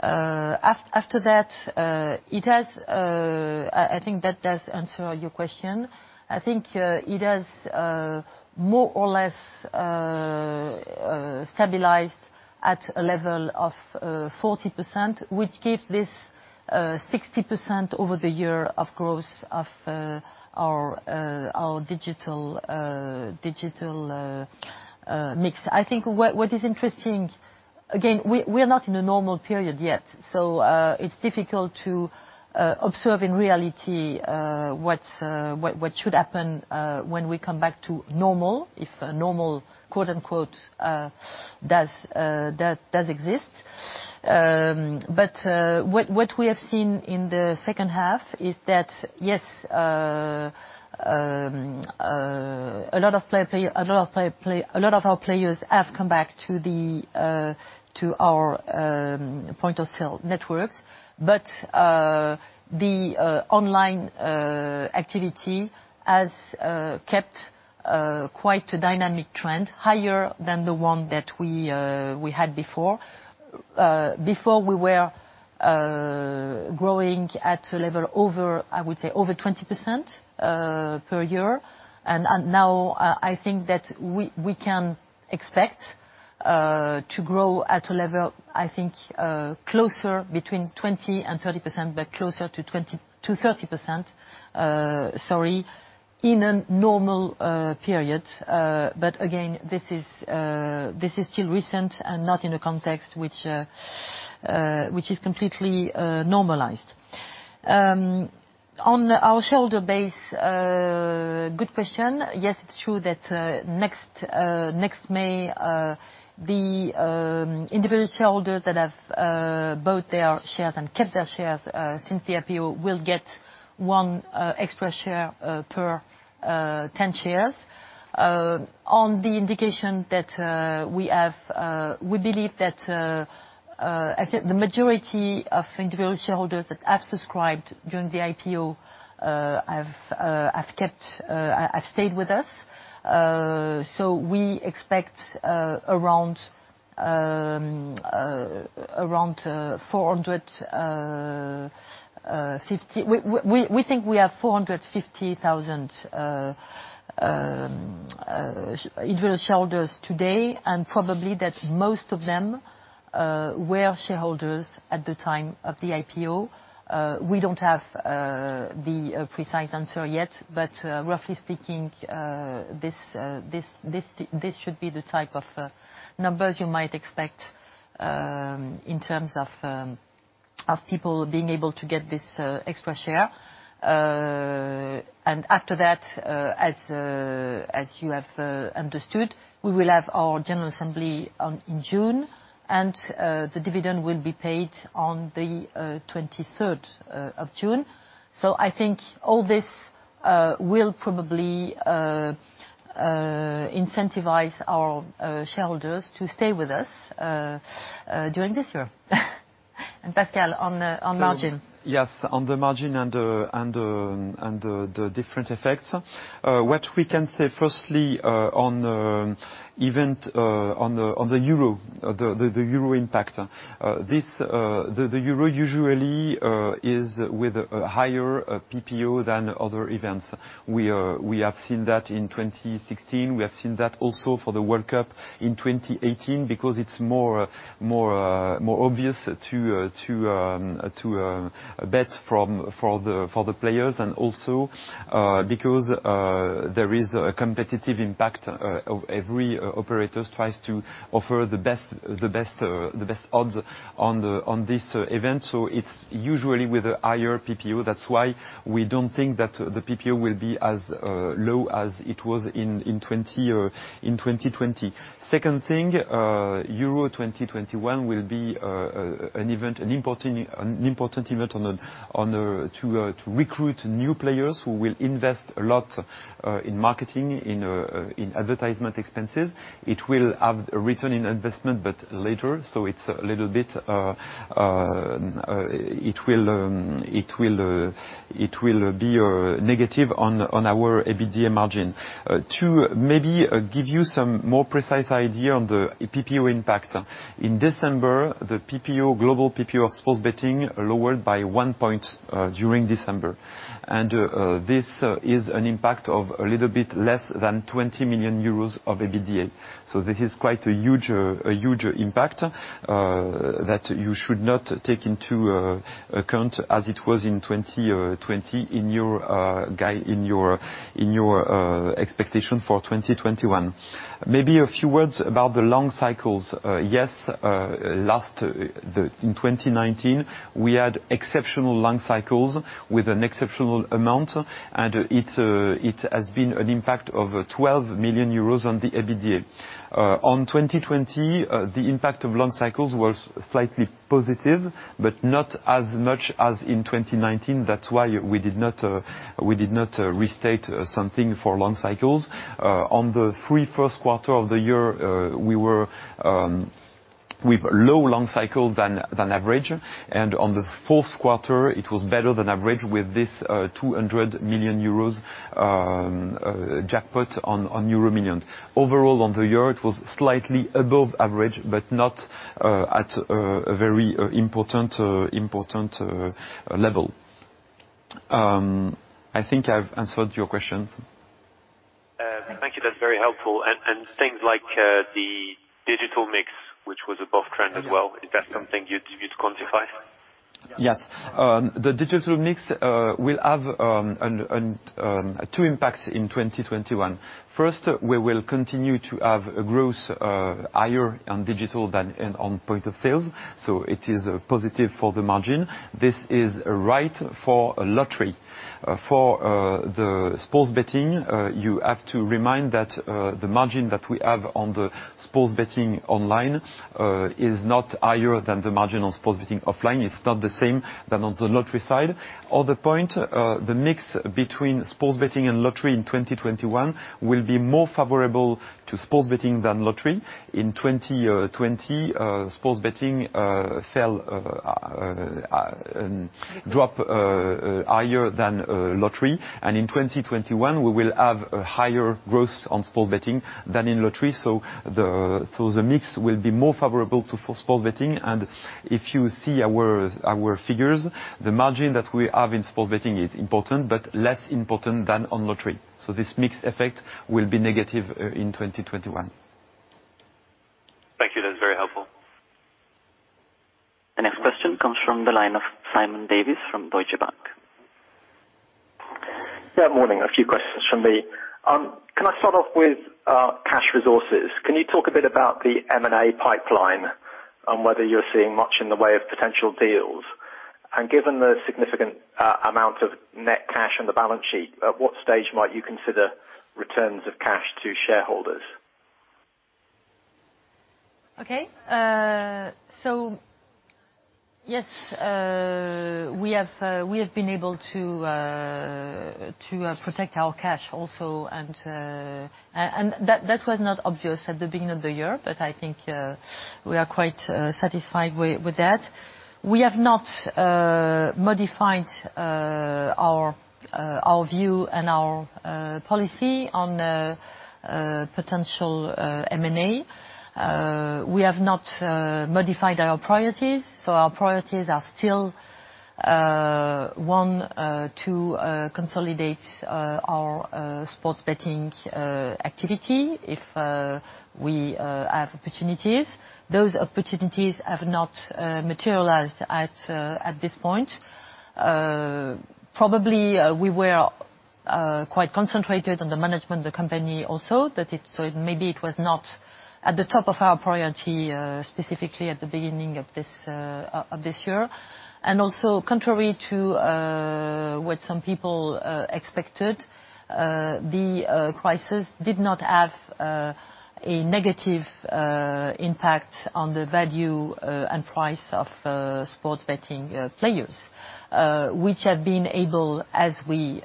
After that, I think that does answer your question. I think it has more or less stabilized at a level of 40%, which gives this 60% over the year of growth of our digital mix. I think what is interesting, again, we are not in a normal period yet, so it's difficult to observe in reality what should happen when we come back to normal, if normal "does exist." What we have seen in the second half is that, yes, a lot of our players have come back to our point of sale networks, but the online activity has kept quite a dynamic trend, higher than the one that we had before. Before, we were growing at a level over, I would say, over 20% per year. Now I think that we can expect to grow at a level, I think, closer between 20-30%, but closer to 30%, sorry, in a normal period. Again, this is still recent and not in a context which is completely normalized. On our shareholder base, good question. Yes, it's true that next May, the individual shareholders that have bought their shares and kept their shares since the IPO will get one extra share per 10 shares. On the indication that we have, we believe that the majority of individual shareholders that have subscribed during the IPO have stayed with us. We expect around 450. We think we have 450,000 individual shareholders today, and probably that most of them were shareholders at the time of the IPO. We do not have the precise answer yet, but roughly speaking, this should be the type of numbers you might expect in terms of people being able to get this extra share. After that, as you have understood, we will have our General Assembly in June, and the dividend will be paid on the 23rd of June. I think all this will probably incentivize our shareholders to stay with us during this year. Pascal, on the margin. Yes, on the margin and the different effects. What we can say firstly on the euro impact, the euro usually is with a higher PPO than other events. We have seen that in 2016. We have seen that also for the World Cup in 2018 because it is more obvious to bet for the players and also because there is a competitive impact of every operator who tries to offer the best odds on this event. It is usually with a higher PPO. That is why we do not think that the PPO will be as low as it was in 2020. Second thing, Euro 2021 will be an important event to recruit new players who will invest a lot in marketing, in advertisement expenses. It will have a return in investment, but later. It is a little bit it will be negative on our EBITDA margin. To maybe give you some more precise idea on the PPO impact, in December, the global PPO of sports betting lowered by one percentage point during December. This is an impact of a little bit less than 20 million euros of EBITDA. This is quite a huge impact that you should not take into account as it was in 2020 in your expectation for 2021. Maybe a few words about the long cycles. Yes, in 2019, we had exceptional long cycles with an exceptional amount, and it has been an impact of 12 million euros on the EBITDA. In 2020, the impact of long cycles was slightly positive, but not as much as in 2019. That's why we did not restate something for long cycles. On the first three quarters of the year, we were low long cycle than average. In the fourth quarter, it was better than average with this 200 million euros jackpot on Euromillions. Overall, on the year, it was slightly above average, but not at a very important level. I think I've answered your questions. Thank you. That's very helpful. Things like the digital mix, which was above trend as well, is that something you'd quantify? Yes. The digital mix will have two impacts in 2021. First, we will continue to have a growth higher on digital than on point of sales. It is positive for the margin. This is right for lottery. For the sports betting, you have to remind that the margin that we have on the sports betting online is not higher than the margin on sports betting offline. It's not the same than on the lottery side. On the point, the mix between sports betting and lottery in 2021 will be more favorable to sports betting than lottery. In 2020, sports betting dropped higher than lottery. In 2021, we will have a higher growth on sports betting than in lottery. The mix will be more favorable to sports betting. If you see our figures, the margin that we have in sports betting is important, but less important than on lottery. This mix effect will be negative in 2021. Thank you. That's very helpful. The next question comes from the line of Simon Davies from Deutsche Bank. Good morning. A few questions from me. Can I start off with cash resources? Can you talk a bit about the M&A pipeline and whether you're seeing much in the way of potential deals? Given the significant amount of net cash on the balance sheet, at what stage might you consider returns of cash to shareholders? Okay. Yes, we have been able to protect our cash also. That was not obvious at the beginning of the year, but I think we are quite satisfied with that. We have not modified our view and our policy on potential M&A. We have not modified our priorities. Our priorities are still one, to consolidate our sports betting activity if we have opportunities. Those opportunities have not materialized at this point. Probably we were quite concentrated on the management of the company also, so maybe it was not at the top of our priority specifically at the beginning of this year. Also, contrary to what some people expected, the crisis did not have a negative impact on the value and price of sports betting players, which have been able, as we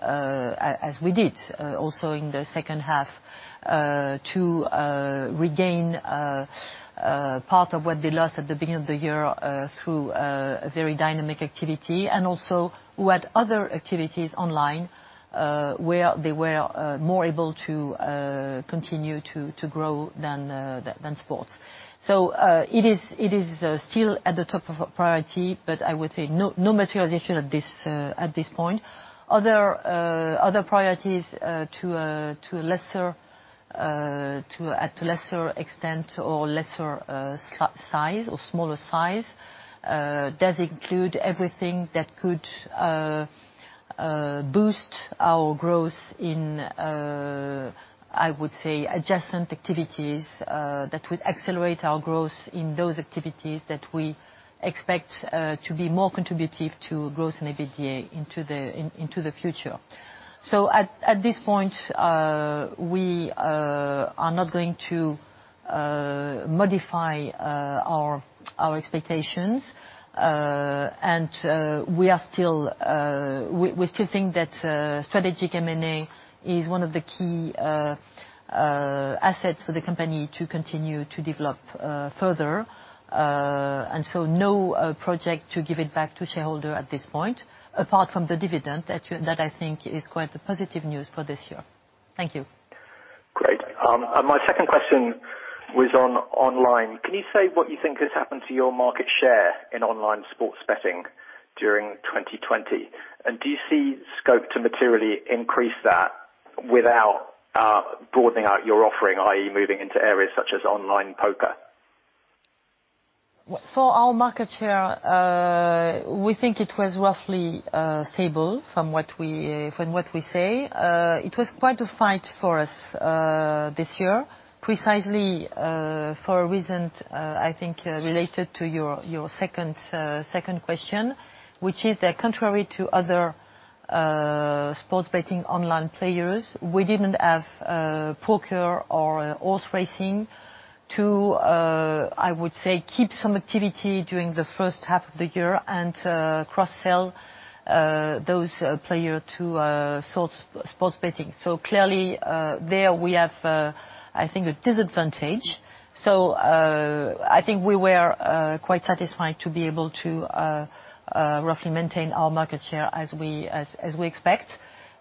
did also in the second half, to regain part of what they lost at the beginning of the year through very dynamic activity and also who had other activities online where they were more able to continue to grow than sports. It is still at the top of priority, but I would say no materialization at this point. Other priorities to a lesser extent or smaller size does include everything that could boost our growth in, I would say, adjacent activities that would accelerate our growth in those activities that we expect to be more contributive to growth in EBITDA into the future. At this point, we are not going to modify our expectations. We still think that strategic M&A is one of the key assets for the company to continue to develop further. No project to give it back to shareholders at this point, apart from the dividend that I think is quite the positive news for this year. Thank you. Great. My second question was on online. Can you say what you think has happened to your market share in online sports betting during 2020? Do you see scope to materially increase that without broadening out your offering, i.e., moving into areas such as online poker? For our market share, we think it was roughly stable from what we say. It was quite a fight for us this year, precisely for a reason, I think, related to your second question, which is that contrary to other sports betting online players, we did not have poker or horse racing to, I would say, keep some activity during the first half of the year and cross-sell those players to sports betting. Clearly, there we have, I think, a disadvantage. I think we were quite satisfied to be able to roughly maintain our market share as we expect.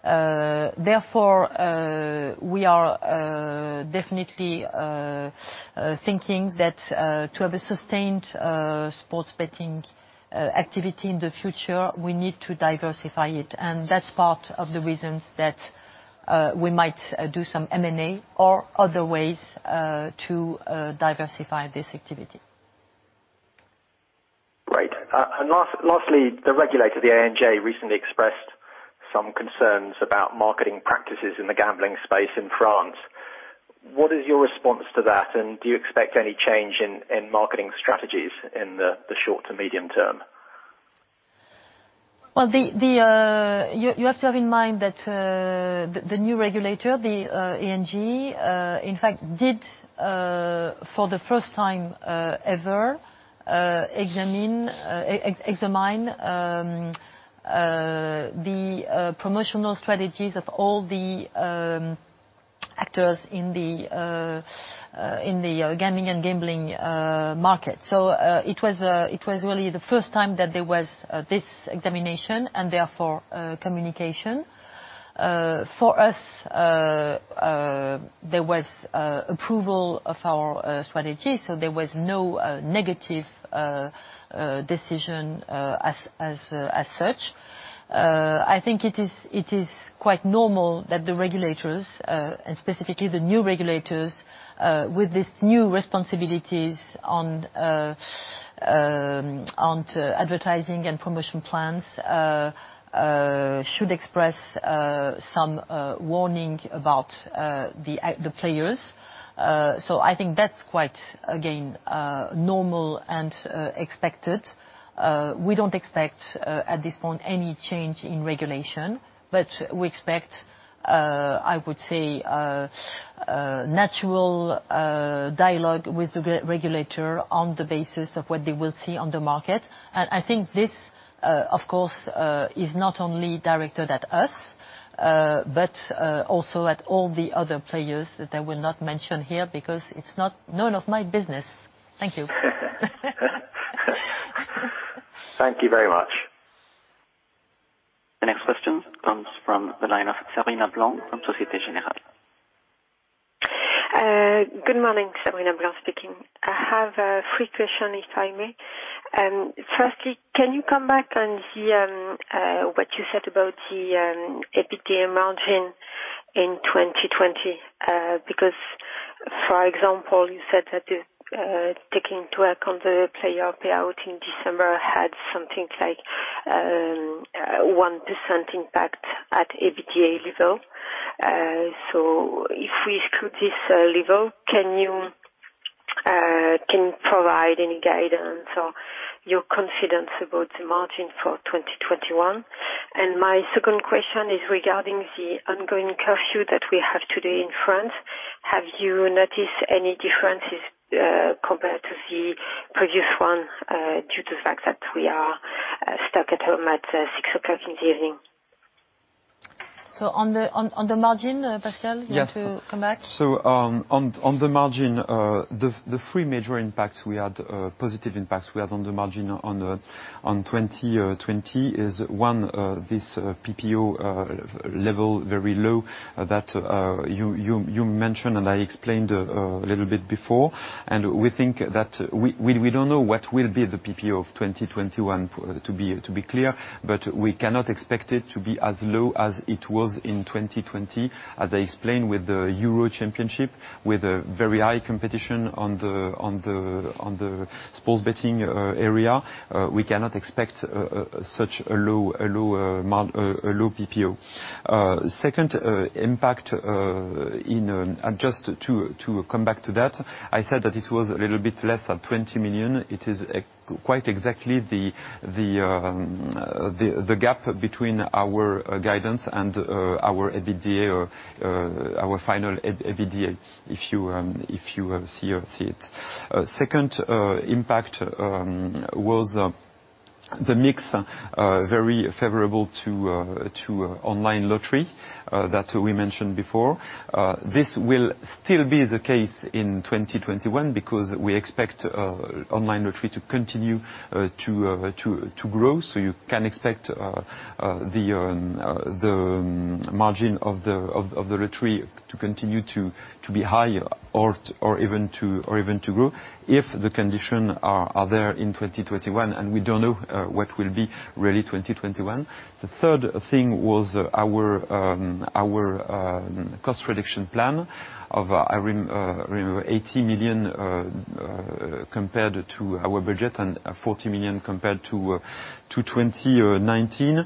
Therefore, we are definitely thinking that to have a sustained sports betting activity in the future, we need to diversify it. That is part of the reasons that we might do some M&A or other ways to diversify this activity. Great. Lastly, the regulator, the ANJ, recently expressed some concerns about marketing practices in the gambling space in France. What is your response to that? Do you expect any change in marketing strategies in the short to medium term? You have to have in mind that the new regulator, the ANJ, in fact, did for the first time ever examine the promotional strategies of all the actors in the gaming and gambling market. It was really the first time that there was this examination and therefore communication. For us, there was approval of our strategy. There was no negative decision as such. I think it is quite normal that the regulators, and specifically the new regulators, with these new responsibilities on advertising and promotion plans, should express some warning about the players. I think that's quite, again, normal and expected. We don't expect at this point any change in regulation, but we expect, I would say, natural dialogue with the regulator on the basis of what they will see on the market. I think this, of course, is not only directed at us, but also at all the other players that I will not mention here because it's not none of my business. Thank you. Thank you very much. The next question comes from the line of Sabrina Blanc from Société Générale. Good morning. Sabrina Blanc speaking. I have a few questions, if I may. Firstly, can you come back and see what you said about the EBITDA margin in 2020? Because, for example, you said that taking into account the player payout in December had something like 1% impact at EBITDA level. If we exclude this level, can you provide any guidance or your confidence about the margin for 2021? My second question is regarding the ongoing curfew that we have today in France. Have you noticed any differences compared to the previous one due to the fact that we are stuck at home at 6:00 P.M.? On the margin, Pascal, you want to come back? Yes. On the margin, the three major impacts we had, positive impacts we had on the margin on 2020 is, one, this PPO level very low that you mentioned, and I explained a little bit before. We think that we don't know what will be the PPO of 2021, to be clear, but we cannot expect it to be as low as it was in 2020. As I explained with the Euro Championship, with very high competition on the sports betting area, we cannot expect such a low PPO. Second impact, just to come back to that, I said that it was a little bit less than 20 million. It is quite exactly the gap between our guidance and our EBITDA, our final EBITDA, if you see it. Second impact was the mix very favorable to online lottery that we mentioned before. This will still be the case in 2021 because we expect online lottery to continue to grow. You can expect the margin of the lottery to continue to be higher or even to grow if the conditions are there in 2021. We do not know what will be really 2021. The third thing was our cost reduction plan of, I remember, 80 million compared to our budget and 40 million compared to 2019.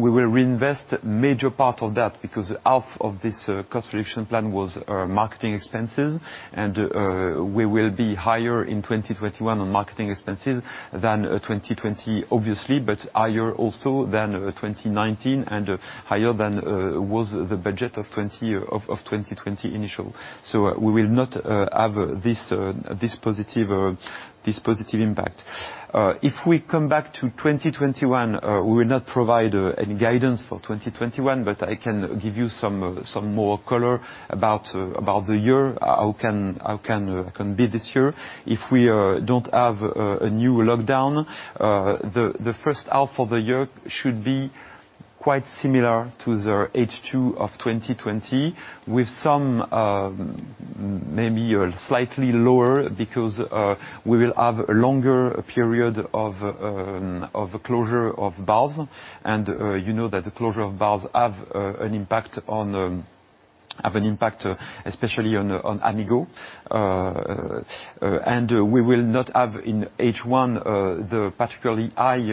We will reinvest a major part of that because half of this cost reduction plan was marketing expenses. We will be higher in 2021 on marketing expenses than 2020, obviously, but higher also than 2019 and higher than was the budget of 2020 initial. We will not have this positive impact. If we come back to 2021, we will not provide any guidance for 2021, but I can give you some more color about the year, how can it be this year. If we don't have a new lockdown, the first half of the year should be quite similar to the H2 of 2020, with some maybe slightly lower because we will have a longer period of closure of bars. You know that the closure of bars has an impact, has an impact especially on Amigo. We will not have in H1 the particularly high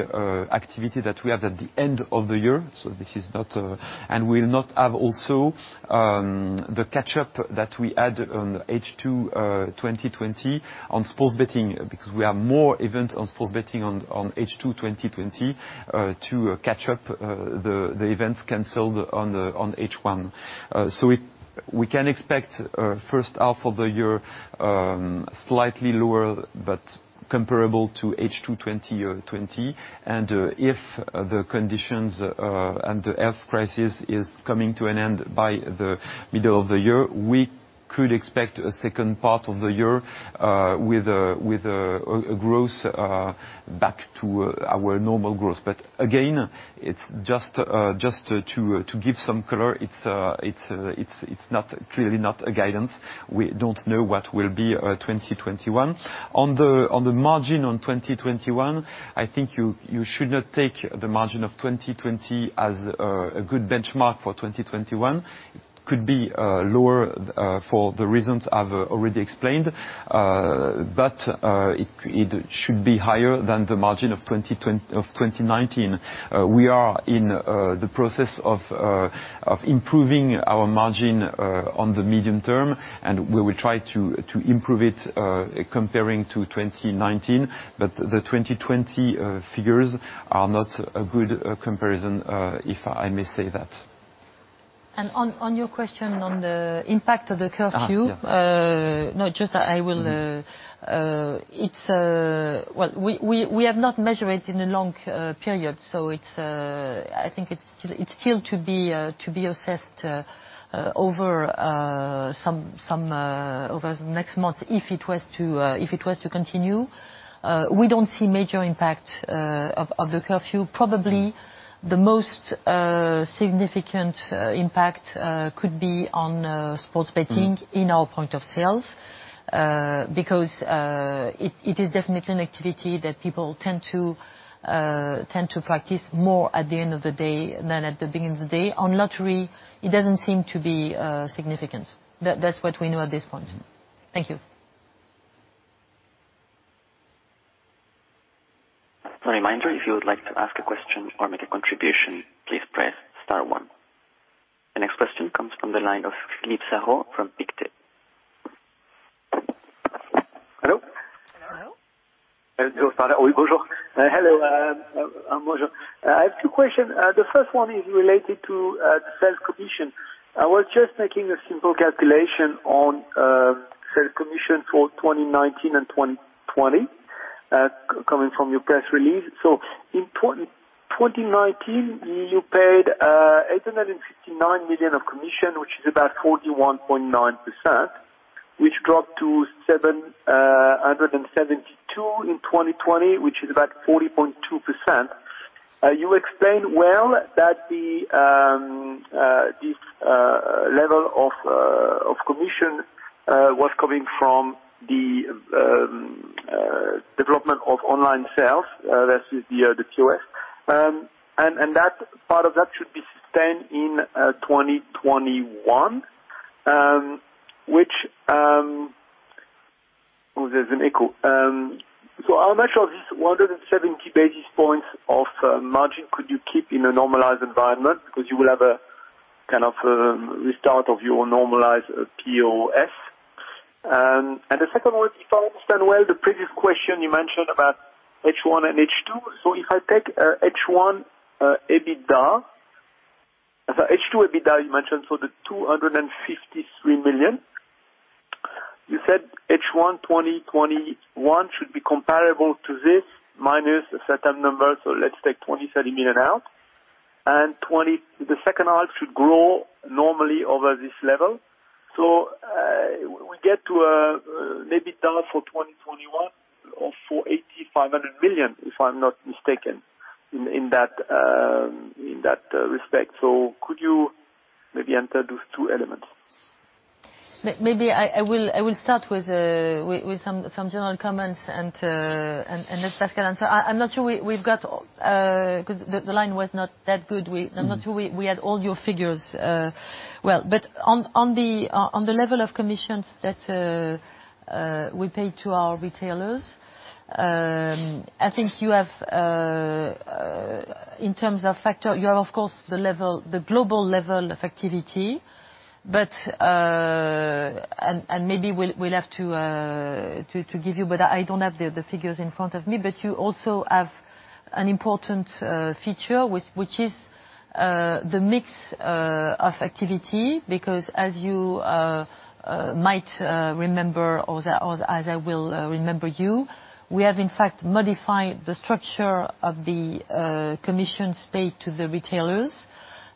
activity that we had at the end of the year. This is not, we will not have also the catch-up that we had on H2 2020 on sports betting because we have more events on sports betting on H2 2020 to catch up the events canceled on H1. We can expect first half of the year slightly lower, but comparable to H2 2020. If the conditions and the health crisis is coming to an end by the middle of the year, we could expect a second part of the year with a growth back to our normal growth. Again, it's just to give some color, it's clearly not a guidance. We don't know what will be 2021. On the margin on 2021, I think you should not take the margin of 2020 as a good benchmark for 2021. It could be lower for the reasons I've already explained, but it should be higher than the margin of 2019. We are in the process of improving our margin on the medium term, and we will try to improve it comparing to 2019. The 2020 figures are not a good comparison, if I may say that. On your question on the impact of the curfew, not just that I will, it's, we have not measured it in a long period. I think it's still to be assessed over the next month if it was to continue. We don't see major impact of the curfew. Probably the most significant impact could be on sports betting in our point of sales because it is definitely an activity that people tend to practice more at the end of the day than at the beginning of the day. On lottery, it doesn't seem to be significant. That's what we know at this point. Thank you. A reminder, if you would like to ask a question or make a contribution, please press star one. The next question comes from the line of Philippe Sarreau from Pictet. Hello? Hello? Hello. I have two questions. The first one is related to the sales commission. I was just making a simple calculation on sales commission for 2019 and 2020 coming from your press release. In 2019, you paid 859 million of commission, which is about 41.9%, which dropped to 772 million in 2020, which is about 40.2%. You explained well that this level of commission was coming from the development of online sales versus the POS. That part of that should be sustained in 2021, which there's an echo. How much of this 170 basis points of margin could you keep in a normalized environment? You will have a kind of restart of your normalized POS. The second one, if I understand well, the previous question you mentioned about H1 and H2. If I take H1 EBITDA, H2 EBITDA you mentioned, the 253 million. You said H1 2021 should be comparable to this minus a certain number. Let's take 20-30 million out. The second half should grow normally over this level. We get to an EBITDA for 2021 of 48,500 million, if I'm not mistaken, in that respect. Could you maybe enter those two elements? Maybe I will start with some general comments and let Pascal answer. I'm not sure we've got because the line was not that good. I'm not sure we had all your figures well. On the level of commissions that we pay to our retailers, I think you have, in terms of factor, you have, of course, the global level of activity. Maybe we'll have to give you, but I don't have the figures in front of me. You also have an important feature, which is the mix of activity. Because as you might remember, or as I will remember you, we have, in fact, modified the structure of the commissions paid to the retailers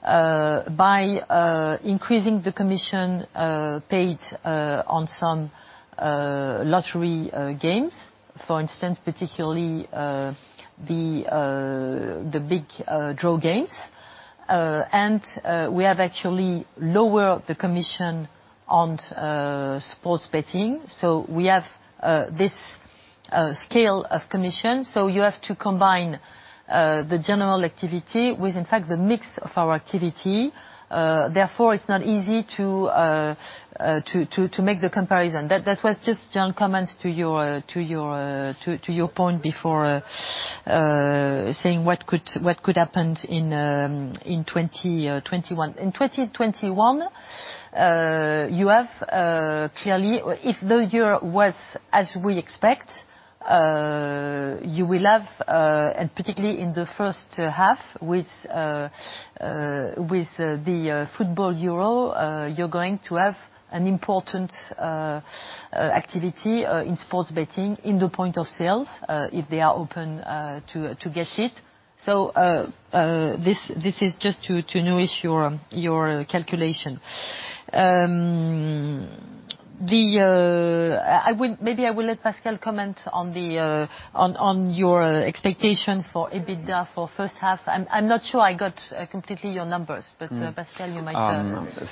by increasing the commission paid on some lottery games, for instance, particularly the big draw games. We have actually lowered the commission on sports betting. We have this scale of commission. You have to combine the general activity with, in fact, the mix of our activity. Therefore, it's not easy to make the comparison. That was just general comments to your point before saying what could happen in 2021. In 2021, you have clearly, if the year was as we expect, you will have, and particularly in the first half with the Football Euro, you're going to have an important activity in sports betting in the point of sales if they are open to get it. This is just to nourish your calculation. Maybe I will let Pascal comment on your expectation for EBITDA for first half. I'm not sure I got completely your numbers, but Pascal, you might.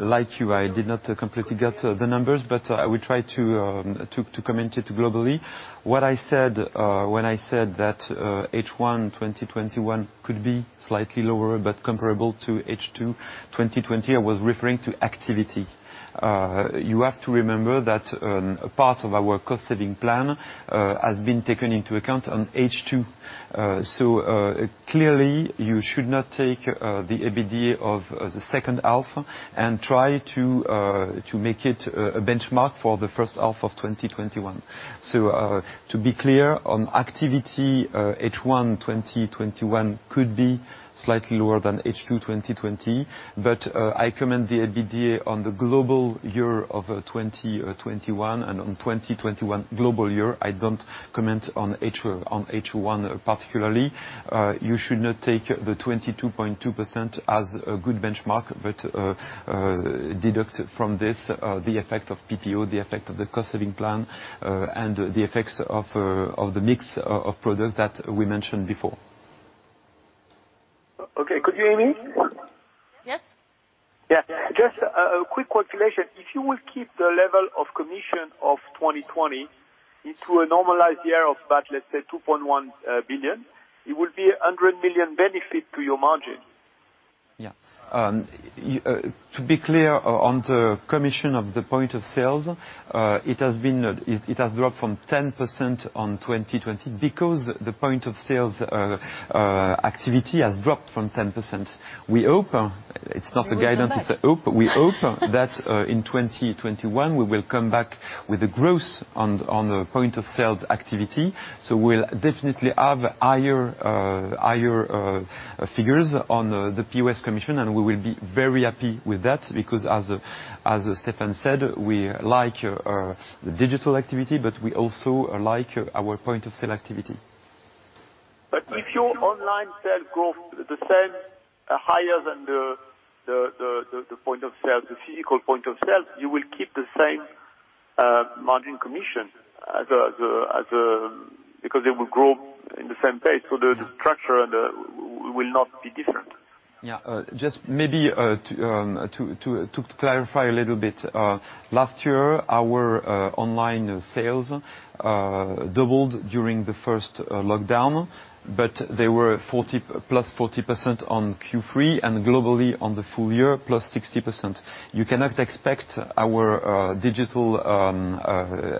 Like you, I did not completely get the numbers, but I will try to comment it globally. What I said when I said that H1 2021 could be slightly lower but comparable to H2 2020, I was referring to activity. You have to remember that part of our cost saving plan has been taken into account on H2. Clearly, you should not take the EBITDA of the second half and try to make it a benchmark for the first half of 2021. To be clear, on activity, H1 2021 could be slightly lower than H2 2020. I comment the EBITDA on the global year of 2021 and on 2021 global year. I don't comment on H1 particularly. You should not take the 22.2% as a good benchmark, but deduct from this the effect of PPO, the effect of the cost saving plan, and the effects of the mix of product that we mentioned before. Okay. Could you hear me? Yes. Yes. Just a quick calculation. If you will keep the level of commission of 2020 into a normalized year of about, let's say, 2.1 billion, it will be 100 million benefit to your margin. Yeah. To be clear, on the commission of the point of sales, it has dropped from 10% in 2020 because the point of sales activity has dropped from 10%. We hope it's not a guidance. We hope that in 2021, we will come back with a growth on the point of sales activity. We will definitely have higher figures on the POS commission, and we will be very happy with that because, as Stéphane said, we like the digital activity, but we also like our point of sale activity. If your online sales growth is the same higher than the point of sale, the physical point of sale, you will keep the same margin commission because it will grow at the same pace. The structure will not be different. Yeah. Just maybe to clarify a little bit, last year, our online sales doubled during the first lockdown, but they were plus 40% on Q3 and globally on the full year, plus 60%. You cannot expect our digital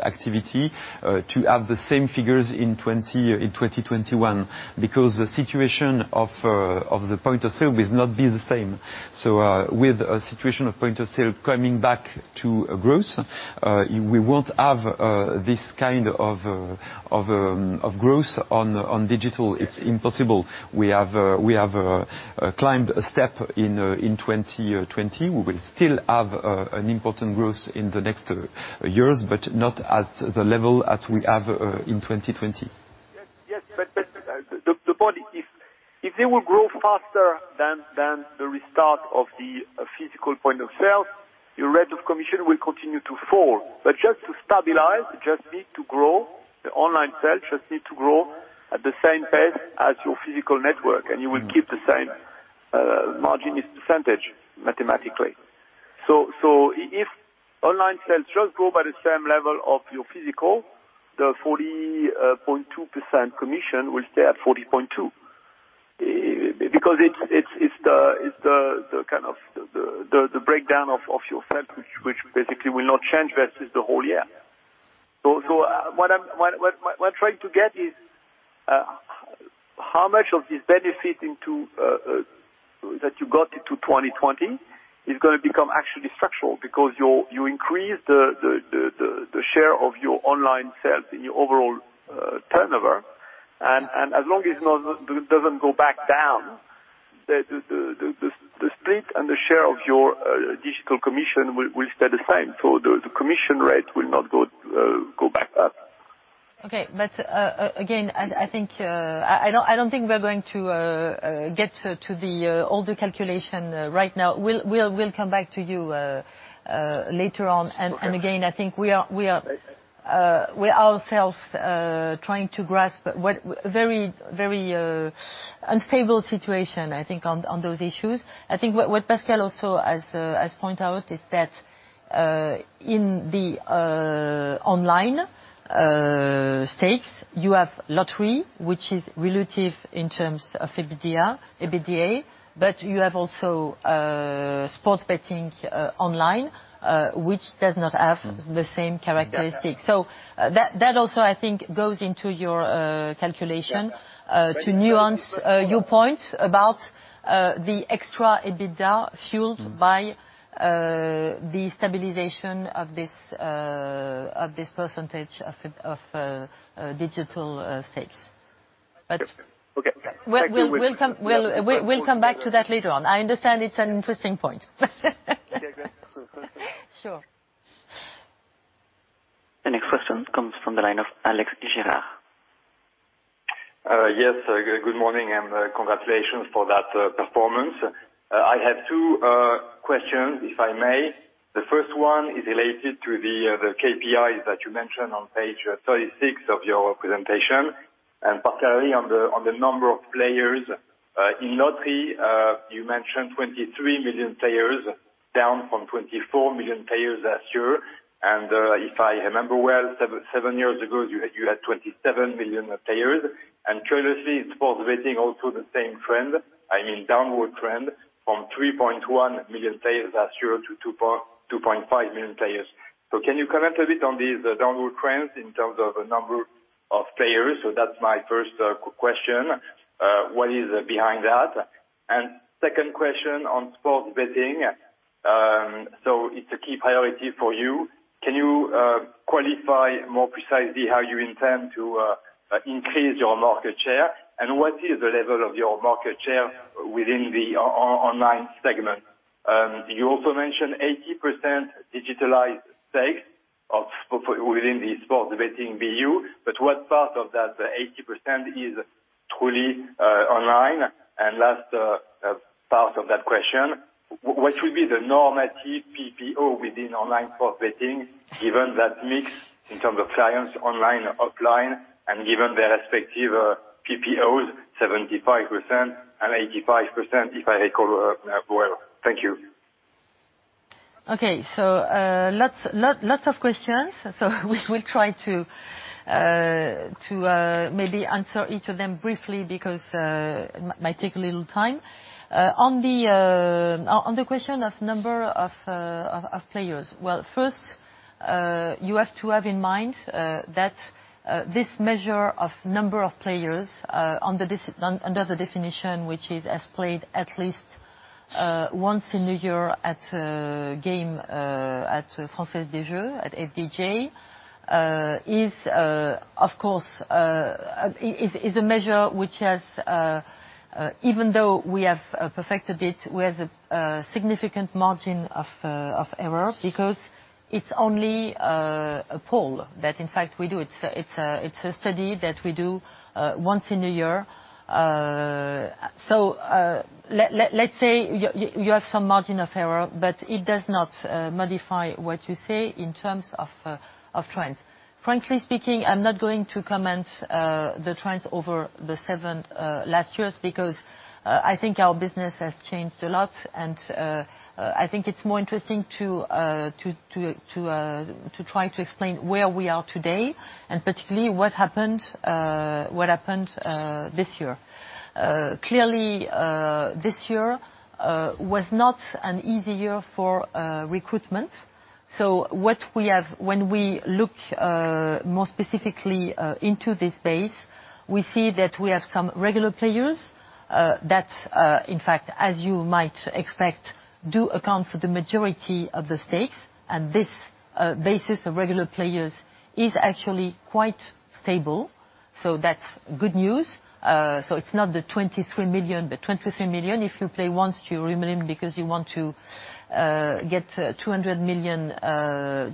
activity to have the same figures in 2021 because the situation of the point of sale will not be the same. With a situation of point of sale coming back to growth, we won't have this kind of growth on digital. It's impossible. We have climbed a step in 2020. We will still have important growth in the next years, but not at the level that we have in 2020. Yes, but the point is, if they will grow faster than the restart of the physical point of sale, your rate of commission will continue to fall. Just to stabilize, just need to grow, the online sales just need to grow at the same pace as your physical network, and you will keep the same margin percentage mathematically. If online sales just grow by the same level of your physical, the 40.2% commission will stay at 40.2% because it's the kind of the breakdown of your sales which basically will not change versus the whole year. What I'm trying to get is how much of this benefit that you got into 2020 is going to become actually structural because you increase the share of your online sales in your overall turnover. As long as it does not go back down, the split and the share of your digital commission will stay the same. The commission rate will not go back up. Okay. Again, I do not think we are going to get to the older calculation right now. We will come back to you later on. Again, I think we are ourselves trying to grasp a very unstable situation, I think, on those issues. I think what Pascal also has pointed out is that in the online stakes, you have lottery, which is relative in terms of EBITDA, but you have also sports betting online, which does not have the same characteristic. That also, I think, goes into your calculation to nuance your point about the extra EBITDA fueled by the stabilization of this percentage of digital stakes. We will come back to that later on. I understand it's an interesting point. Sure. The next question comes from the line of Alex Girard. Yes. Good morning and congratulations for that performance. I have two questions, if I may. The first one is related to the KPIs that you mentioned on page 36 of your presentation, and particularly on the number of players in lottery. You mentioned 23 million players, down from 24 million players last year. If I remember well, seven years ago, you had 27 million players. Curiously, sports betting also the same trend, I mean, downward trend from 3.1 million players last year to 2.5 million players. Can you comment a bit on these downward trends in terms of the number of players? That is my first question. What is behind that? Second question on sports betting, it is a key priority for you. Can you qualify more precisely how you intend to increase your market share? What is the level of your market share within the online segment? You also mentioned 80% digitalized stakes within the sports betting BU, but what part of that 80% is truly online? Last part of that question, what should be the normative PPO within online sports betting given that mix in terms of clients online and offline and given their respective PPOs, 75% and 85%, if I recall well? Thank you. Okay. Lots of questions. We will try to maybe answer each of them briefly because it might take a little time. On the question of number of players, first, you have to have in mind that this measure of number of players under the definition which is as played at least once in a year at a game at Française des Jeux at FDJ is, of course, a measure which has, even though we have perfected it, a significant margin of error because it's only a poll that, in fact, we do. It's a study that we do once in a year. You have some margin of error, but it does not modify what you say in terms of trends. Frankly speaking, I'm not going to comment the trends over the seven last years because I think our business has changed a lot, and I think it's more interesting to try to explain where we are today and particularly what happened this year. Clearly, this year was not an easy year for recruitment. When we look more specifically into this base, we see that we have some regular players that, in fact, as you might expect, do account for the majority of the stakes. This basis of regular players is actually quite stable. That is good news. It is not the 23 million, but 23 million. If you play once, you remain because you want to get 200 million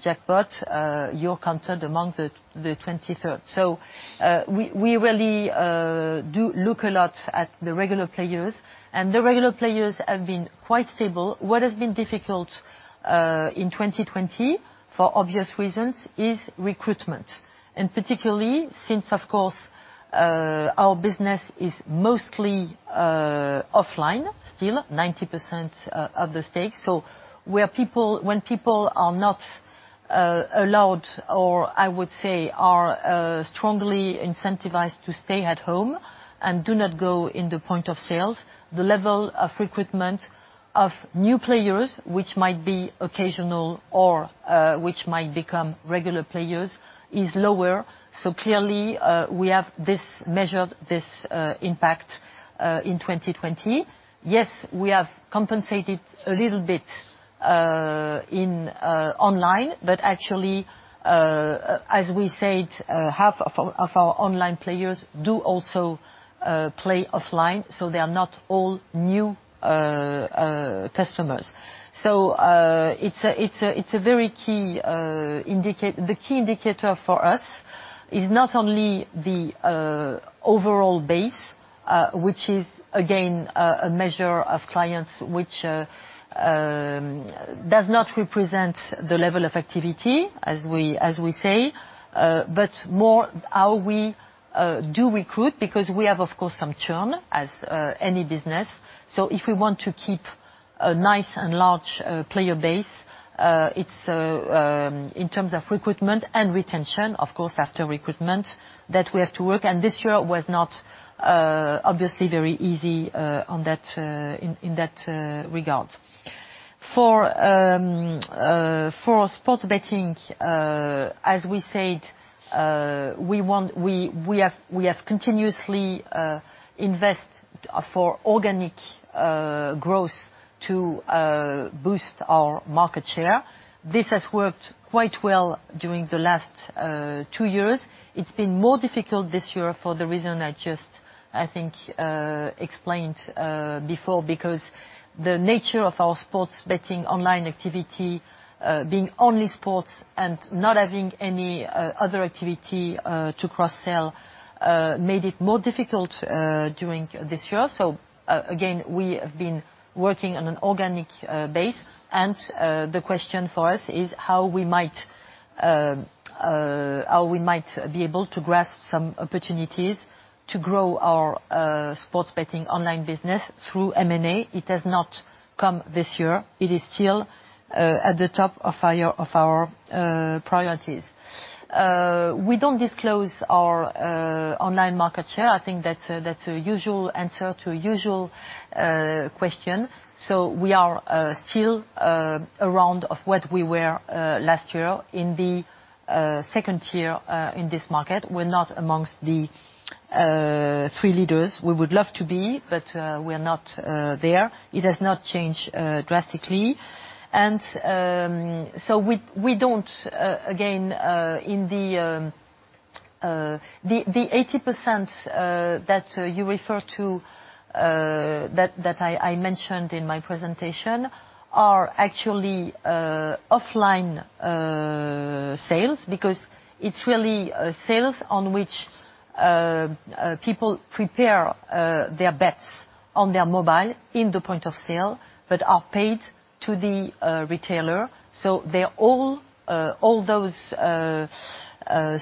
jackpot, you are counted among the 23rd. We really do look a lot at the regular players, and the regular players have been quite stable. What has been difficult in 2020, for obvious reasons, is recruitment, and particularly since, of course, our business is mostly offline still, 90% of the stakes. When people are not allowed or, I would say, are strongly incentivized to stay at home and do not go in the point of sales, the level of recruitment of new players, which might be occasional or which might become regular players, is lower. We have measured this impact in 2020. Yes, we have compensated a little bit online, but actually, as we said, half of our online players do also play offline, so they are not all new customers. It is a very key indicator. The key indicator for us is not only the overall base, which is, again, a measure of clients which does not represent the level of activity, as we say, but more how we do recruit because we have, of course, some churn as any business. If we want to keep a nice and large player base, it's in terms of recruitment and retention, of course, after recruitment that we have to work. This year was not, obviously, very easy in that regard. For sports betting, as we said, we have continuously invested for organic growth to boost our market share. This has worked quite well during the last two years. It's been more difficult this year for the reason I just, I think, explained before because the nature of our sports betting online activity being only sports and not having any other activity to cross-sell made it more difficult during this year. Again, we have been working on an organic base. The question for us is how we might be able to grasp some opportunities to grow our sports betting online business through M&A. It has not come this year. It is still at the top of our priorities. We don't disclose our online market share. I think that's a usual answer to a usual question. We are still around what we were last year in the second tier in this market. We're not amongst the three leaders. We would love to be, but we're not there. It has not changed drastically. In the 80% that you refer to that I mentioned in my presentation are actually offline sales because it's really sales on which people prepare their bets on their mobile in the point of sale but are paid to the retailer. All those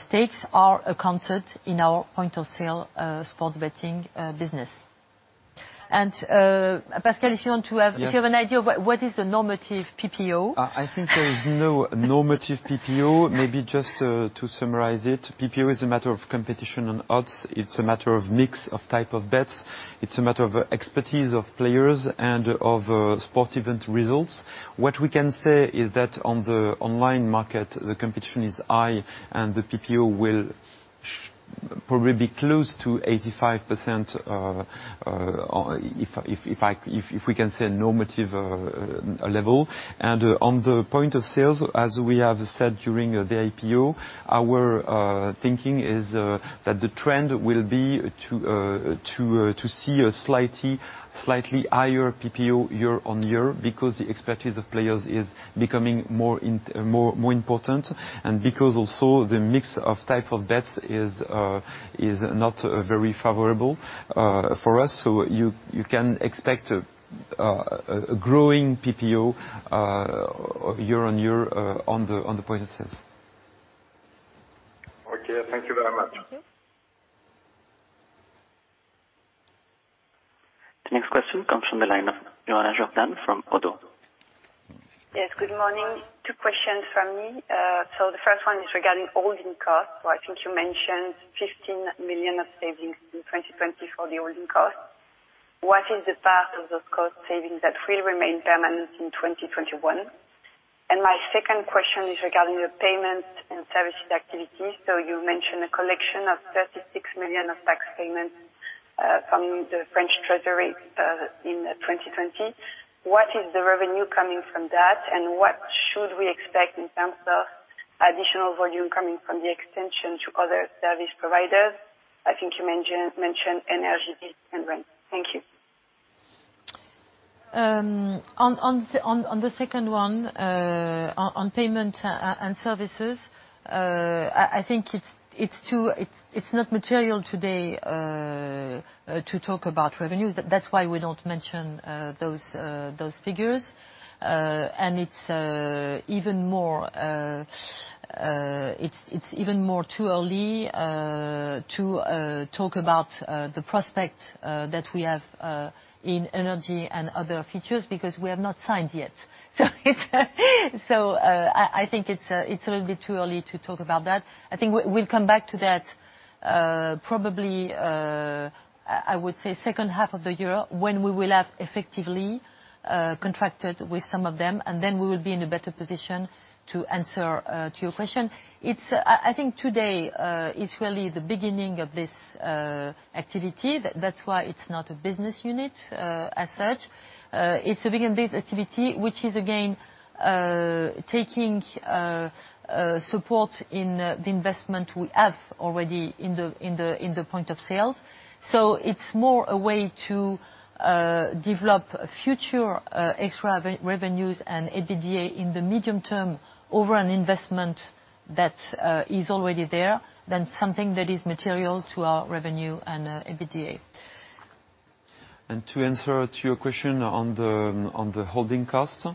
stakes are accounted in our point of sale sports betting business. Pascal, if you want to have if you have an idea of what is the normative PPO? I think there is no normative PPO. Maybe just to summarize it, PPO is a matter of competition and odds. It's a matter of mix of type of bets. It's a matter of expertise of players and of sports event results. What we can say is that on the online market, the competition is high, and the PPO will probably be close to 85% if we can say normative level. On the point of sales, as we have said during the IPO, our thinking is that the trend will be to see a slightly higher PPO year on year because the expertise of players is becoming more important, and because also the mix of type of bets is not very favorable for us. You can expect a growing PPO year on year on the point of sales. Okay. Thank you very much. Thank you. The next question comes from the line of Joanna Jordan from Odoo. Yes. Good morning. Two questions for me. The first one is regarding holding costs. I think you mentioned 15 million of savings in 2020 for the holding costs. What is the path of those cost savings that will remain permanent in 2021? My second question is regarding the payments and services activity. You mentioned a collection of 36 million of tax payments from the French Treasury in 2020. What is the revenue coming from that, and what should we expect in terms of additional volume coming from the extension to other service providers? I think you mentioned energy and rent. Thank you. On the second one, on payments and services, I think it's not material today to talk about revenues. That's why we don't mention those figures. It is even more too early to talk about the prospect that we have in energy and other features because we have not signed yet. I think it is a little bit too early to talk about that. I think we will come back to that probably, I would say, second half of the year when we will have effectively contracted with some of them, and then we will be in a better position to answer to your question. I think today is really the beginning of this activity. That is why it is not a business unit as such. It is a big investment activity, which is, again, taking support in the investment we have already in the point of sales. It is more a way to develop future extra revenues and EBITDA in the medium term over an investment that is already there than something that is material to our revenue and EBITDA. To answer to your question on the holding costs,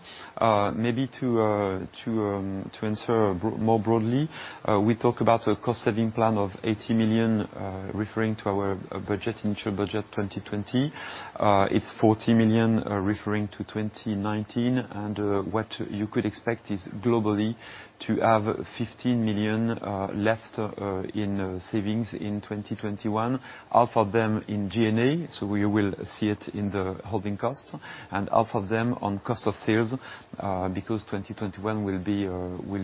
maybe to answer more broadly, we talk about a cost-saving plan of 80 million, referring to our initial budget 2020. It is 40 million referring to 2019. What you could expect is globally to have 15 million left in savings in 2021, half of them in G&A. You will see it in the holding costs, and half of them on cost of sales because 2021 will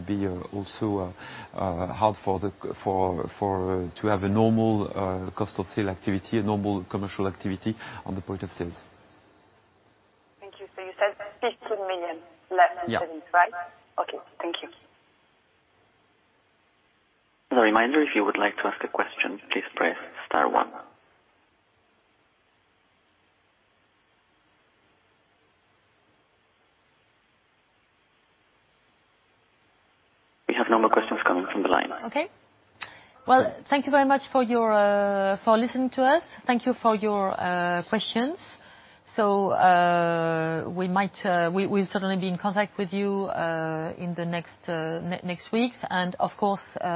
be also hard to have a normal cost of sale activity, a normal commercial activity on the point of sales. Thank you. You said 15 million left in savings, right? Yes. Okay. Thank you. As a reminder, if you would like to ask a question, please press star one. We have no more questions coming from the line. Okay. Thank you very much for listening to us. Thank you for your questions. We will certainly be in contact with you in the next weeks. Of course, we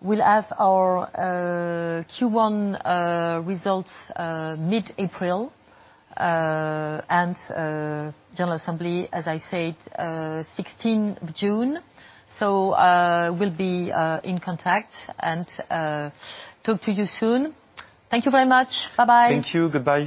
will have our Q1 results mid-April and General Assembly, as I said, 16th June. We will be in contact and talk to you soon. Thank you very much. Bye-bye. Thank you. Goodbye.